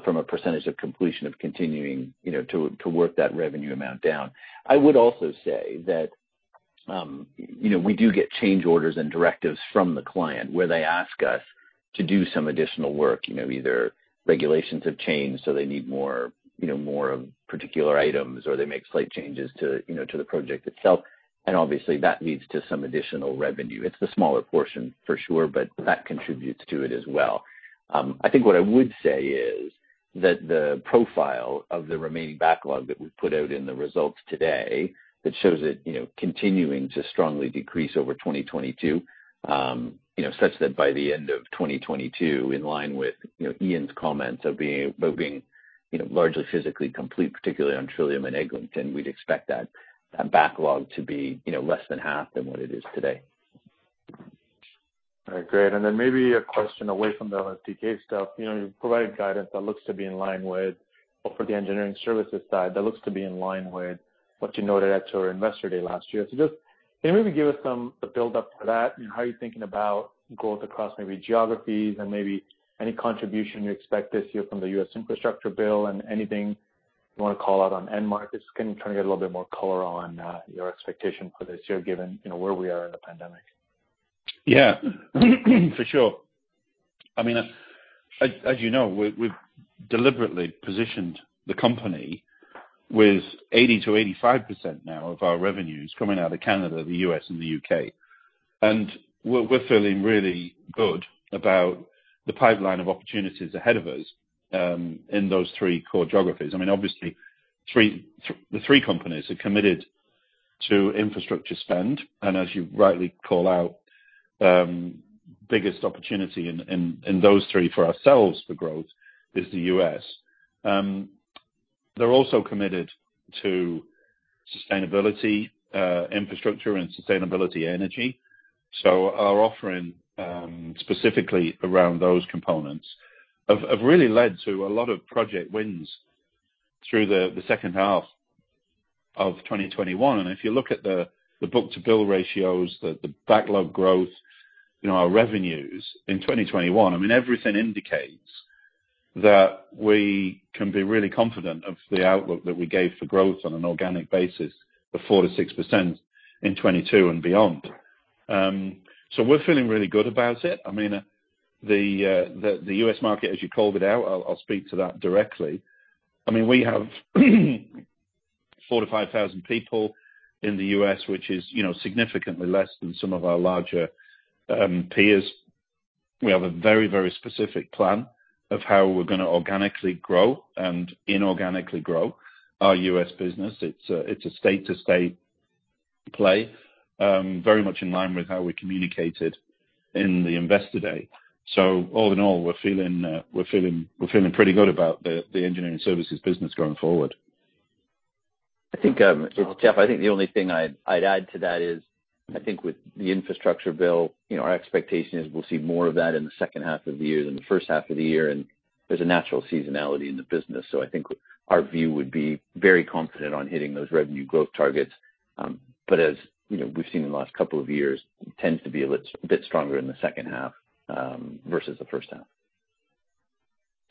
from a percentage of completion of continuing to work that revenue amount down. I would also say that, you know, we do get change orders and directives from the client where they ask us to do some additional work. You know, either regulations have changed, so they need more, you know, more of particular items, or they make slight changes to, you know, to the project itself. Obviously that leads to some additional revenue. It's the smaller portion for sure, but that contributes to it as well. I think what I would say is that the profile of the remaining backlog that we've put out in the results today, that shows it, you know, continuing to strongly decrease over 2022, you know, such that by the end of 2022, in line with, you know, Ian's comments of being, you know, largely physically complete, particularly on Trillium and Eglinton, we'd expect that backlog to be, you know, less than half than what it is today. All right. Great. Maybe a question away from the LSTK stuff. You know, you provide guidance that looks to be in line with or for the engineering services side, that looks to be in line with what you noted at your Investor Day last year. Just can you maybe give us some, the build up to that and how you're thinking about growth across maybe geographies and maybe any contribution you expect this year from the U.S. infrastructure bill and anything you want to call out on end markets? Just kind of trying to get a little bit more color on, your expectation for this year given, you know, where we are in the pandemic. Yeah. For sure. I mean, as you know, we've deliberately positioned the company with 80%-85% now of our revenues coming out of Canada, the U.S. and the U.K. We're feeling really good about the pipeline of opportunities ahead of us in those three core geographies. I mean, obviously the three companies are committed to infrastructure spend, and as you rightly call out, biggest opportunity in those three for ourselves for growth is the U.S. They're also committed to sustainable infrastructure and sustainable energy. Our offering specifically around those components have really led to a lot of project wins through the second half of 2021. If you look at the book to bill ratios, the backlog growth in our revenues in 2021, I mean, everything indicates that we can be really confident of the outlook that we gave for growth on an organic basis of 4%-6% in 2022 and beyond. We're feeling really good about it. The U.S. market, as you called it out, I'll speak to that directly. I mean, we have 4,000-5,000 people in the U.S., which is significantly less than some of our larger peers. We have a very specific plan of how we're going to organically grow and inorganically grow our U.S. business. It's a state to state play, very much in line with how we communicated in the Investor Day. All in all, we're feeling pretty good about the engineering services business going forward. I think, Jeff, I think the only thing I'd add to that is, I think with the infrastructure bill, you know, our expectation is we'll see more of that in the second half of the year than the first half of the year, and there's a natural seasonality in the business. I think our view would be very confident on hitting those revenue growth targets. As you know, we've seen in the last couple of years, tends to be a little bit stronger in the second half versus the first half.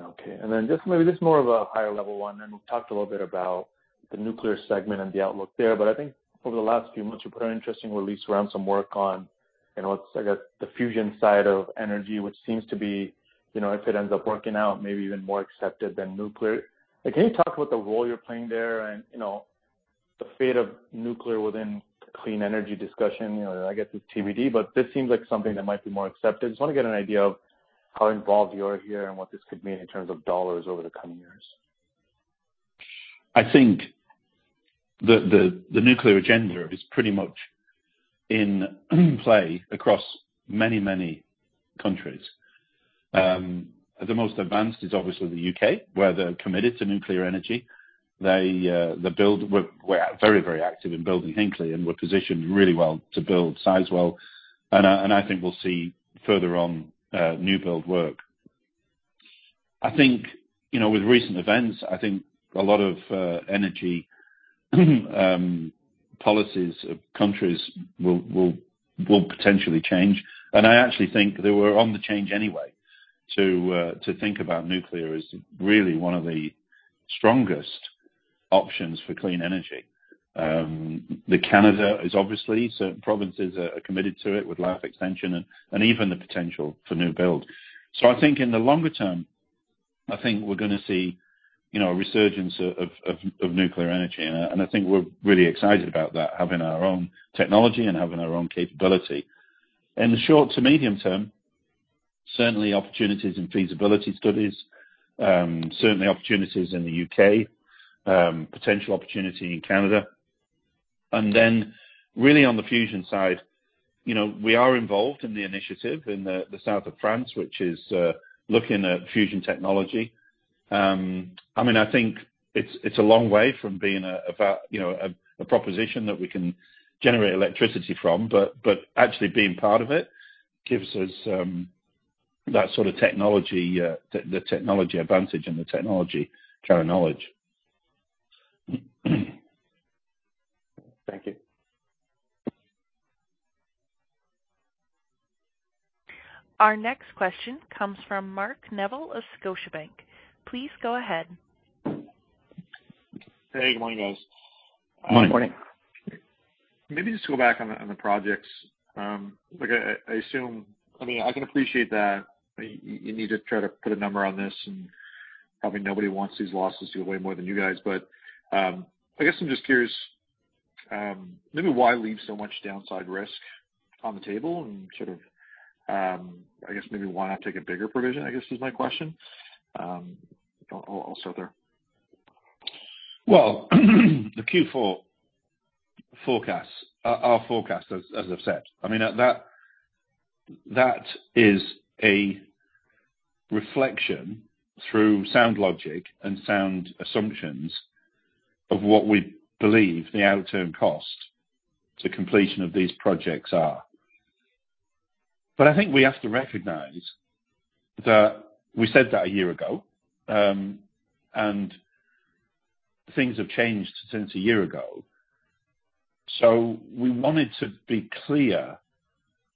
Okay. Just maybe more of a higher level one, I know we've talked a little bit about the nuclear segment and the outlook there, but I think over the last few months, you put an interesting release around some work on, you know, what's, I guess, the fusion side of energy, which seems to be, you know, if it ends up working out, maybe even more accepted than nuclear. Can you talk about the role you're playing there and, you know, the fate of nuclear within the clean energy discussion? You know, I guess it's TBD, but this seems like something that might be more accepted. Just want to get an idea of how involved you are here and what this could mean in terms of dollars over the coming years. I think the nuclear agenda is pretty much in play across many countries. The most advanced is obviously the U.K., where they're committed to nuclear energy. We're very active in building Hinkley, and we're positioned really well to build Sizewell. I think we'll see further on new build work. I think, you know, with recent events, I think a lot of energy policies of countries will potentially change. I actually think they were on the change anyway to think about nuclear as really one of the strongest options for clean energy. In Canada, obviously, certain provinces are committed to it with life extension and even the potential for new build. I think in the longer term, I think we're going to see, you know, a resurgence of nuclear energy. I think we're really excited about that, having our own technology and having our own capability. In the short to medium term, certainly opportunities and feasibility studies, certainly opportunities in the U.K., potential opportunity in Canada. Then really on the fusion side, you know, we are involved in the initiative in the south of France, which is looking at fusion technology. I mean, I think it's a long way from being a proposition that we can generate electricity from, but actually being part of it gives us that sort of technology, the technology advantage and the technology current knowledge. Thank you. Our next question comes from Mark Neville of Scotiabank. Please go ahead. Hey, good morning, guys. Good morning. Morning. Maybe just go back on the projects. Look, I assume I mean, I can appreciate that you need to try to put a number on this, and probably nobody wants these losses way more than you guys, but I guess I'm just curious, maybe why leave so much downside risk on the table and sort of, I guess maybe why not take a bigger provision, I guess is my question. I'll stop there. Well, the Q4 forecast, our forecast, as I've said, I mean, at that is a reflection through sound logic and sound assumptions of what we believe the outturn costs to completion of these projects are. But I think we have to recognize that we said that a year ago, and things have changed since a year ago. We wanted to be clear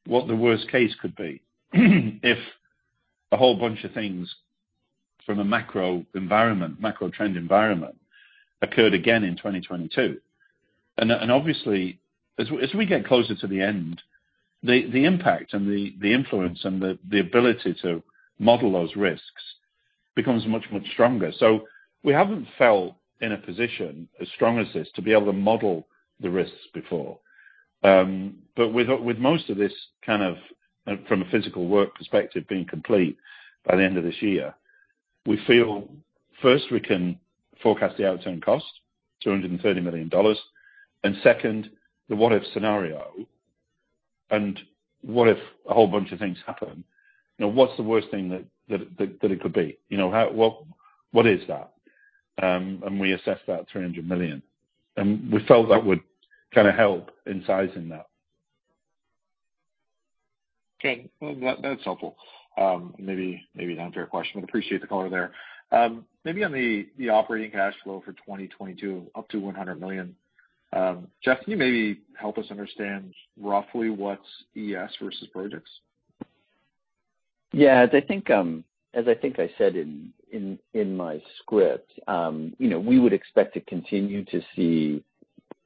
what the worst case could be if a whole bunch of things from a macro environment, macro trend environment, occurred again in 2022. And obviously, as we get closer to the end, the impact and the influence and the ability to model those risks becomes much stronger. We haven't felt in a position as strong as this to be able to model the risks before. With most of this kind of from a physical work perspective being complete by the end of this year, we feel first we can forecast the outturn cost 230 million dollars. Second, the what if scenario, what if a whole bunch of things happen? You know, what's the worst thing that it could be? You know, what is that? We assessed that 300 million. We felt that would kind of help in sizing that. Okay. Well, that's helpful. Maybe not a fair question, but I appreciate the color there. Maybe on the operating cash flow for 2022, up to 100 million. Jeff, can you maybe help us understand roughly what's ES versus projects? Yeah. As I think I said in my script, you know, we would expect to continue to see.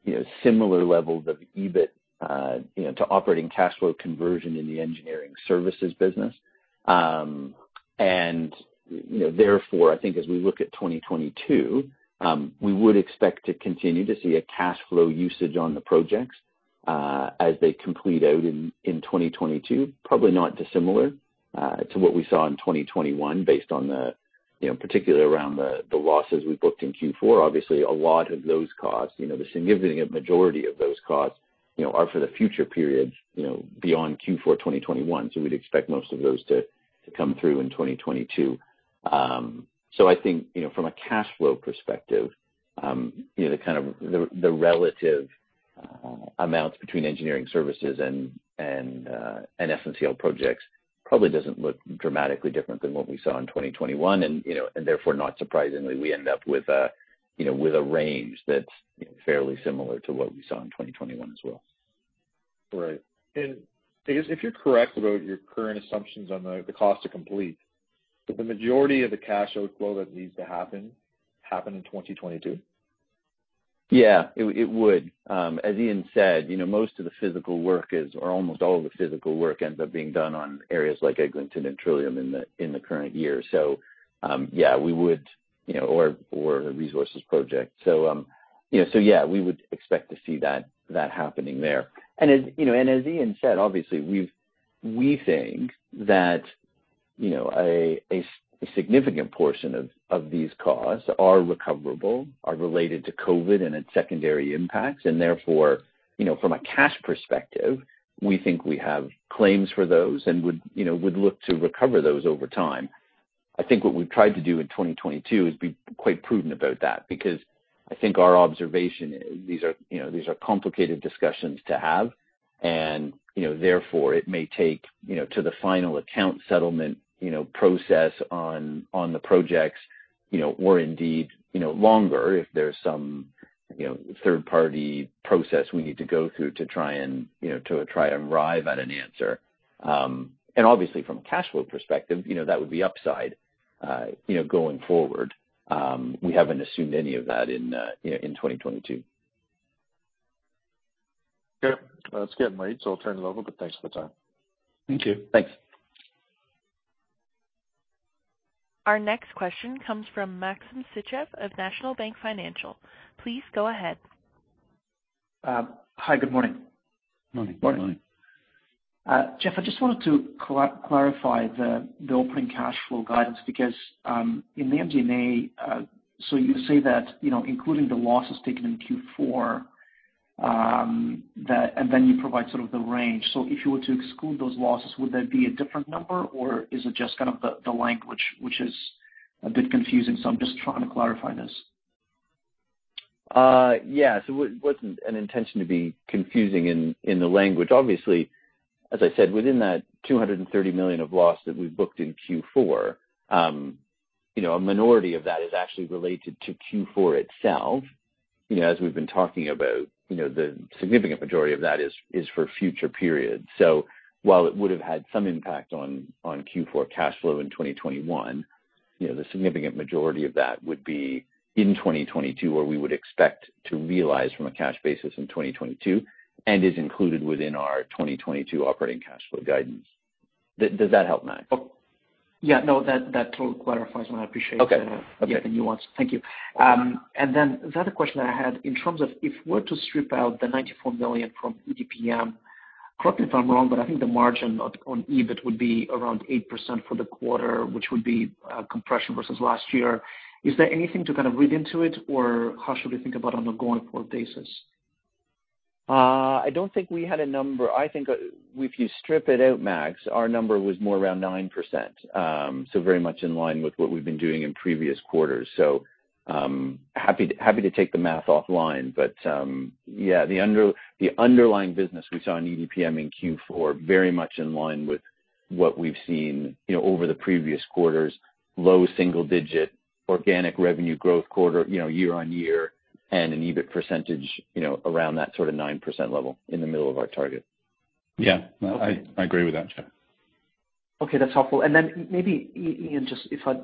You know, similar levels of EBIT to operating cash flow conversion in the engineering services business. You know, therefore, I think as we look at 2022, we would expect to continue to see a cash flow usage on the projects as they complete out in 2022, probably not dissimilar to what we saw in 2021 based on the, you know, particularly around the losses we booked in Q4. Obviously, a lot of those costs, you know, the significant majority of those costs, you know, are for the future periods, you know, beyond Q4 2021. We'd expect most of those to come through in 2022. I think, you know, from a cash flow perspective, you know, the relative amounts between engineering services and SNCL projects probably doesn't look dramatically different than what we saw in 2021. Therefore, not surprisingly, we end up with a range that's, you know, fairly similar to what we saw in 2021 as well. Right. I guess if you're correct about your current assumptions on the cost to complete, would the majority of the cash outflow that needs to happen in 2022? Yeah, it would. As Ian said, you know, most of the physical work is, or almost all of the physical work ends up being done on areas like Eglinton and Trillium in the current year. Yeah, we would, you know. Or the resources project. Yeah, we would expect to see that happening there. As you know, as Ian said, obviously we think that, you know, a significant portion of these costs are recoverable, are related to COVID and its secondary impacts. Therefore, you know, from a cash perspective, we think we have claims for those and would look to recover those over time. I think what we've tried to do in 2022 is be quite prudent about that because I think our observation, these are you know complicated discussions to have. You know therefore it may take you know to the final account settlement you know process on the projects you know or indeed you know longer if there's some you know third party process we need to go through to try and you know arrive at an answer. Obviously from a cash flow perspective you know that would be upside you know going forward. We haven't assumed any of that in you know in 2022. Okay. Well, it's getting late, so I'll turn it over. Thanks for the time. Thank you. Thanks. Our next question comes from Maxim Sytchev of National Bank Financial. Please go ahead. Hi. Good morning. Morning. Morning. Jeff, I just wanted to clarify the opening cash flow guidance because in the MD&A you say that, you know, including the losses taken in Q4, then you provide sort of the range. If you were to exclude those losses, would there be a different number or is it just kind of the language which is a bit confusing? I'm just trying to clarify this. It wasn't an intention to be confusing in the language. Obviously, as I said, within that 230 million of loss that we booked in Q4, you know, a minority of that is actually related to Q4 itself. You know, as we've been talking about, you know, the significant majority of that is for future periods. While it would have had some impact on Q4 cash flow in 2021, you know, the significant majority of that would be in 2022, where we would expect to realize from a cash basis in 2022 and is included within our 2022 operating cash flow guidance. Does that help, Max? Yeah. No, that totally clarifies, and I appreciate the Okay. Okay. Thank you. The other question I had in terms of if we're to strip out the 94 million from EDPM, correct me if I'm wrong, but I think the margin on EBIT would be around 8% for the quarter, which would be compression versus last year. Is there anything to kind of read into it or how should we think about on a going forward basis? I don't think we had a number. I think if you strip it out, Max, our number was more around 9%. Very much in line with what we've been doing in previous quarters. Happy to take the math offline. The underlying business we saw in EDPM in Q4, very much in line with what we've seen, you know, over the previous quarters, low single digit organic revenue growth quarter, you know, year on year and an EBIT percentage, you know, around that sort of 9% level in the middle of our target. Yeah. I agree with that, Jeff. Okay, that's helpful. Then maybe, Ian, just if I'd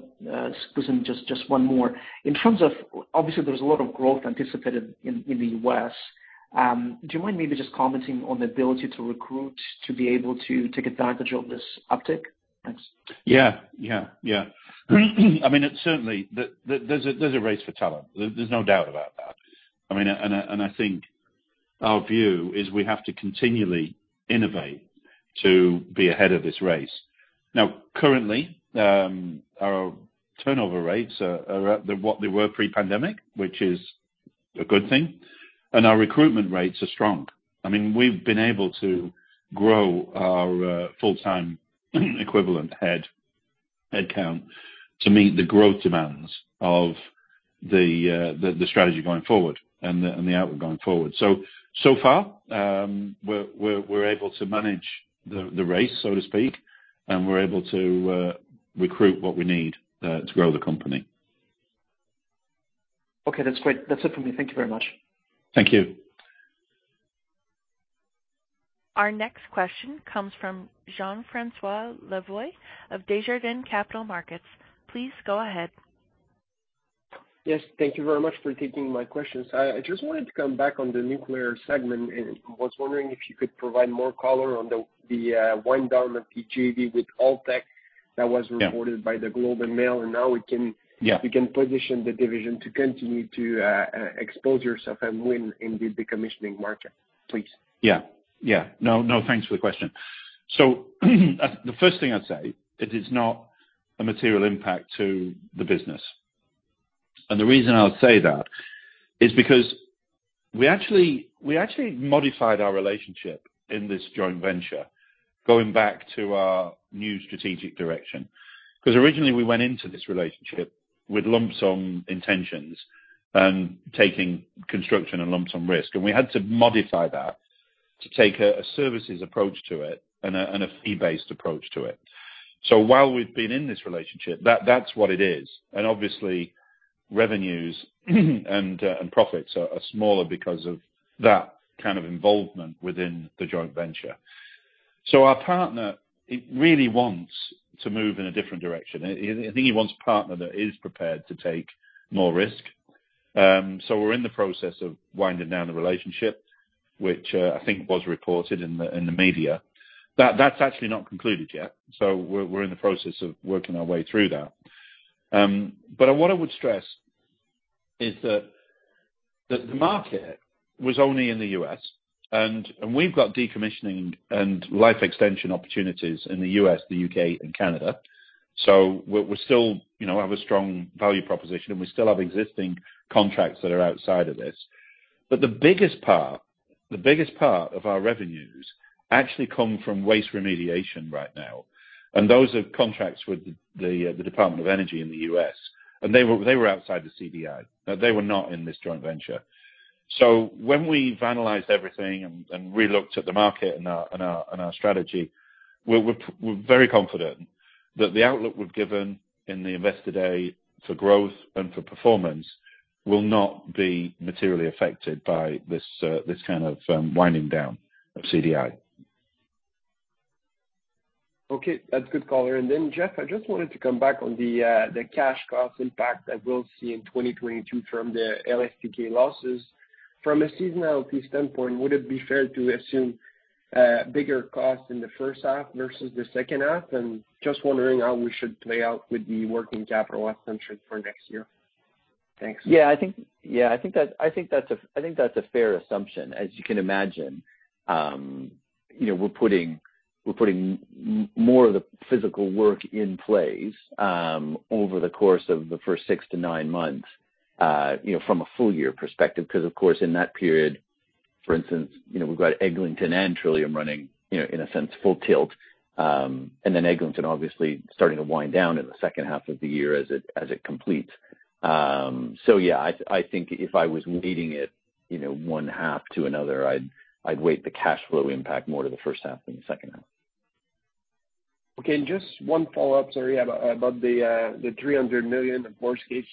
squeeze in just one more. In terms of obviously there's a lot of growth anticipated in the U.S. Do you mind maybe just commenting on the ability to recruit to be able to take advantage of this uptick? Thanks. Yeah. I mean, it's certainly the race for talent. There's no doubt about that. I mean, I think our view is we have to continually innovate to be ahead of this race. Now, currently, our turnover rates are at what they were pre-pandemic, which is a good thing, and our recruitment rates are strong. I mean, we've been able to grow our full-time equivalent headcount to meet the growth demands of the strategy going forward and the outlook going forward. So far, we're able to manage the race, so to speak, and we're able to recruit what we need to grow the company. Okay. That's great. That's it for me. Thank you very much. Thank you. Our next question comes from Jean-François Lavoie of Desjardins Capital Markets. Please go ahead. Yes, thank you very much for taking my questions. I just wanted to come back on the nuclear segment and was wondering if you could provide more color on the wind down of CDI with Holtec that was reported. Yeah. by the Globe and Mail, and now we can Yeah. We can position the division to continue to expose ourselves and win in the decommissioning market, please. No, thanks for the question. The first thing I'd say, it is not a material impact to the business. The reason I would say that is because we actually modified our relationship in this joint venture going back to our new strategic direction. Originally we went into this relationship with lump sum intentions and taking construction and lump sum risk. We had to modify that to take a services approach to it and a fee-based approach to it. While we've been in this relationship, that's what it is. Obviously, revenues and profits are smaller because of that kind of involvement within the joint venture. Our partner really wants to move in a different direction. I think he wants a partner that is prepared to take more risk. We're in the process of winding down the relationship, which I think was reported in the media. That's actually not concluded yet, so we're in the process of working our way through that. What I would stress is that the market was only in the U.S., and we've got decommissioning and life extension opportunities in the U.S., the U.K. and Canada. We're still, you know, have a strong value proposition, and we still have existing contracts that are outside of this. The biggest part of our revenues actually come from waste remediation right now, and those are contracts with the Department of Energy in the U.S., and they were outside the CDI. They were not in this joint venture. When we've analyzed everything and relooked at the market and our strategy, we're very confident that the outlook we've given in the Investor Day for growth and for performance will not be materially affected by this kind of winding down of CDI. Okay, that's good color. Jeff, I just wanted to come back on the cash cost impact that we'll see in 2022 from the LSTK losses. From a seasonality standpoint, would it be fair to assume bigger costs in the first half versus the second half? Just wondering how we should play out with the working capital assumption for next year. Thanks. Yeah, I think that's a fair assumption. As you can imagine, you know, we're putting more of the physical work in place over the course of the first 6-9 months, you know, from a full year perspective. Because of course, in that period, for instance, you know, we've got Eglinton and Trillium running, you know, in a sense full tilt, and then Eglinton obviously starting to wind down in the second half of the year as it completes. So yeah, I think if I was weighting it, you know, one half to another, I'd weight the cash flow impact more to the first half than the second half. Okay, just one follow-up. Sorry about the 300 million of worst case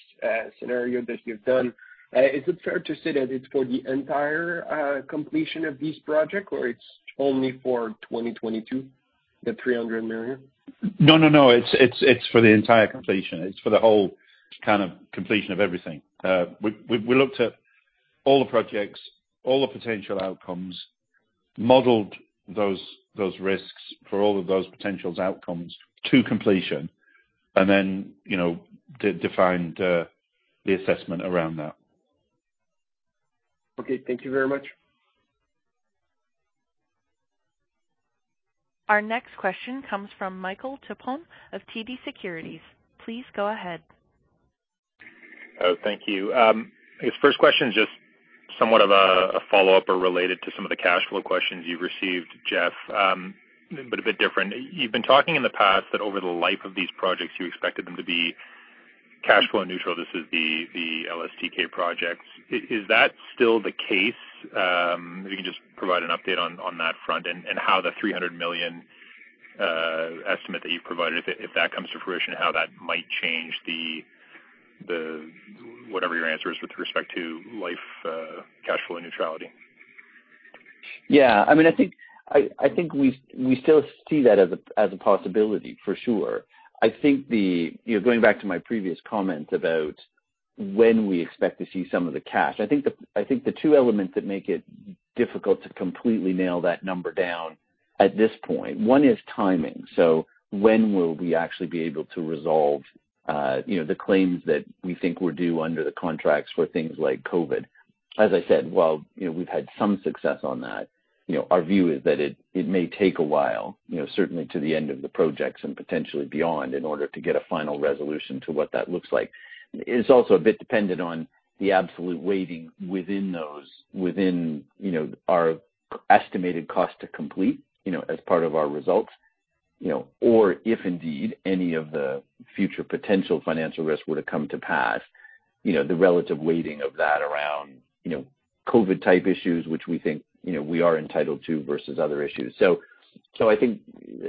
scenario that you've done. Is it fair to say that it's for the entire completion of this project, or it's only for 2022, the 300 million? No, it's for the entire completion. It's for the whole kind of completion of everything. We looked at all the projects, all the potential outcomes, modeled those risks for all of those potential outcomes to completion, and then, you know, defined the assessment around that. Okay, thank you very much. Our next question comes from Michael Tupholme of TD Securities. Please go ahead. Oh, thank you. I guess first question is just somewhat of a follow-up or related to some of the cash flow questions you received, Jeff, but a bit different. You've been talking in the past that over the life of these projects you expected them to be cash flow neutral. This is the LSTK projects. Is that still the case? If you can just provide an update on that front and how the 300 million estimate that you've provided, if that comes to fruition, how that might change whatever your answer is with respect to life cash flow neutrality. Yeah. I mean, I think we still see that as a possibility, for sure. I think, you know, going back to my previous comment about when we expect to see some of the cash, I think the two elements that make it difficult to completely nail that number down at this point, one is timing. When will we actually be able to resolve, you know, the claims that we think were due under the contracts for things like COVID? As I said, while, you know, we've had some success on that, you know, our view is that it may take a while, you know, certainly to the end of the projects and potentially beyond in order to get a final resolution to what that looks like. It's also a bit dependent on the absolute weighting within those, you know, our estimated cost to complete, you know, as part of our results, you know. If indeed any of the future potential financial risks were to come to pass, you know, the relative weighting of that around, you know, COVID type issues, which we think, you know, we are entitled to versus other issues. I think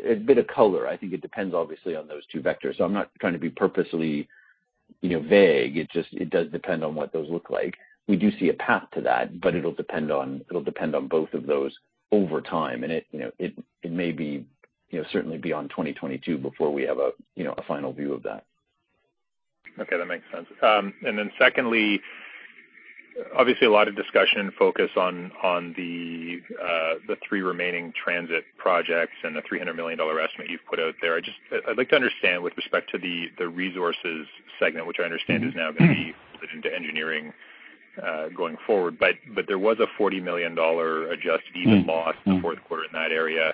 a bit of color, I think it depends obviously on those two vectors. I'm not trying to be purposely- You know, vague. It just does depend on what those look like. We do see a path to that, but it'll depend on both of those over time. You know, it may be, you know, certainly in 2022 before we have a final view of that. Okay, that makes sense. Secondly, obviously a lot of discussion focus on the three remaining transit projects and the 300 million dollar estimate you've put out there. I'd like to understand with respect to the resources segment, which I understand is now going to be positioned to engineering going forward. There was a 40 million dollar adjusted EBIT loss in the Q4 in that area.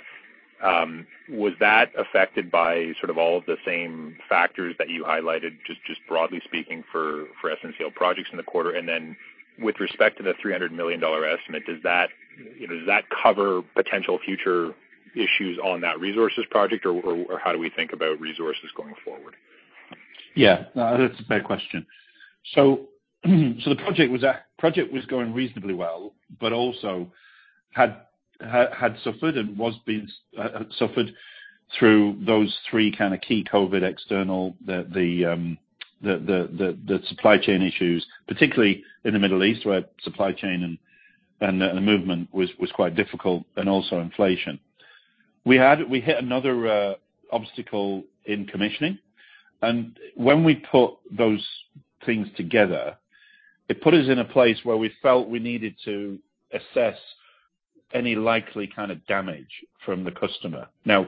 Was that affected by sort of all of the same factors that you highlighted, just broadly speaking for SNC-Lavalin projects in the quarter? With respect to the 300 million dollar estimate, does that cover potential future issues on that resources project or how do we think about resources going forward? Yeah, that's a fair question. The project was going reasonably well, but also had suffered through those three kind of key COVID external, the supply chain issues, particularly in the Middle East, where supply chain and the movement was quite difficult and also inflation. We hit another obstacle in commissioning. When we put those things together, it put us in a place where we felt we needed to assess any likely kind of damage from the customer. Now,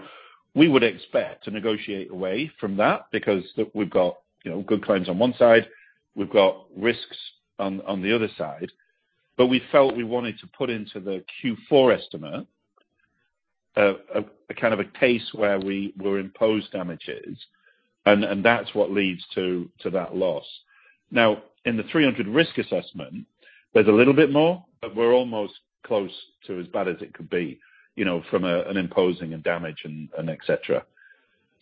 we would expect to negotiate away from that because we've got, you know, good clients on one side, we've got risks on the other side. We felt we wanted to put into the Q4 estimate a kind of a case where we were imposed damages, and that's what leads to that loss. Now, in the 300 risk assessment, there's a little bit more, but we're almost close to as bad as it could be from an imposition and damages and et cetera.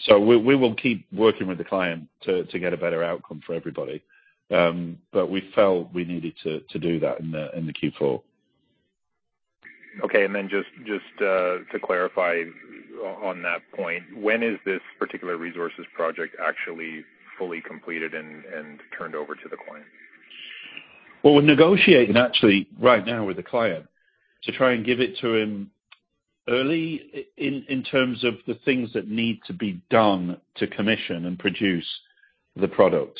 We will keep working with the client to get a better outcome for everybody. We felt we needed to do that in the Q4. Okay. Then just to clarify on that point, when is this particular resources project actually fully completed and turned over to the client? Well, we're negotiating actually right now with the client to try and give it to him early in terms of the things that need to be done to commission and produce the product.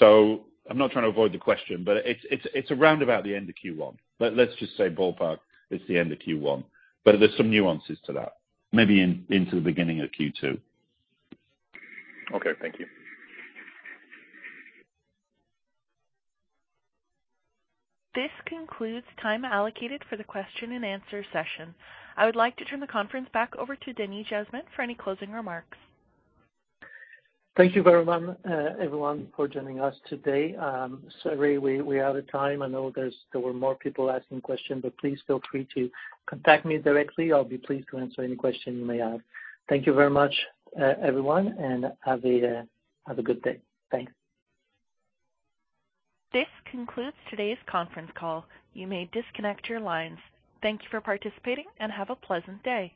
I'm not trying to avoid the question, but it's around about the end of Q1. Let's just say ballpark, it's the end of Q1, but there's some nuances to that. Maybe into the beginning of Q2. Okay, thank you. This concludes time allocated for the question and answer session. I would like to turn the conference back over to Denis Jasmin for any closing remarks. Thank you very much, everyone for joining us today. Sorry, we're out of time. I know there were more people asking questions, but please feel free to contact me directly. I'll be pleased to answer any questions you may have. Thank you very much, everyone, and have a good day. Thanks. This concludes today's conference call. You may disconnect your lines. Thank you for participating and have a pleasant day.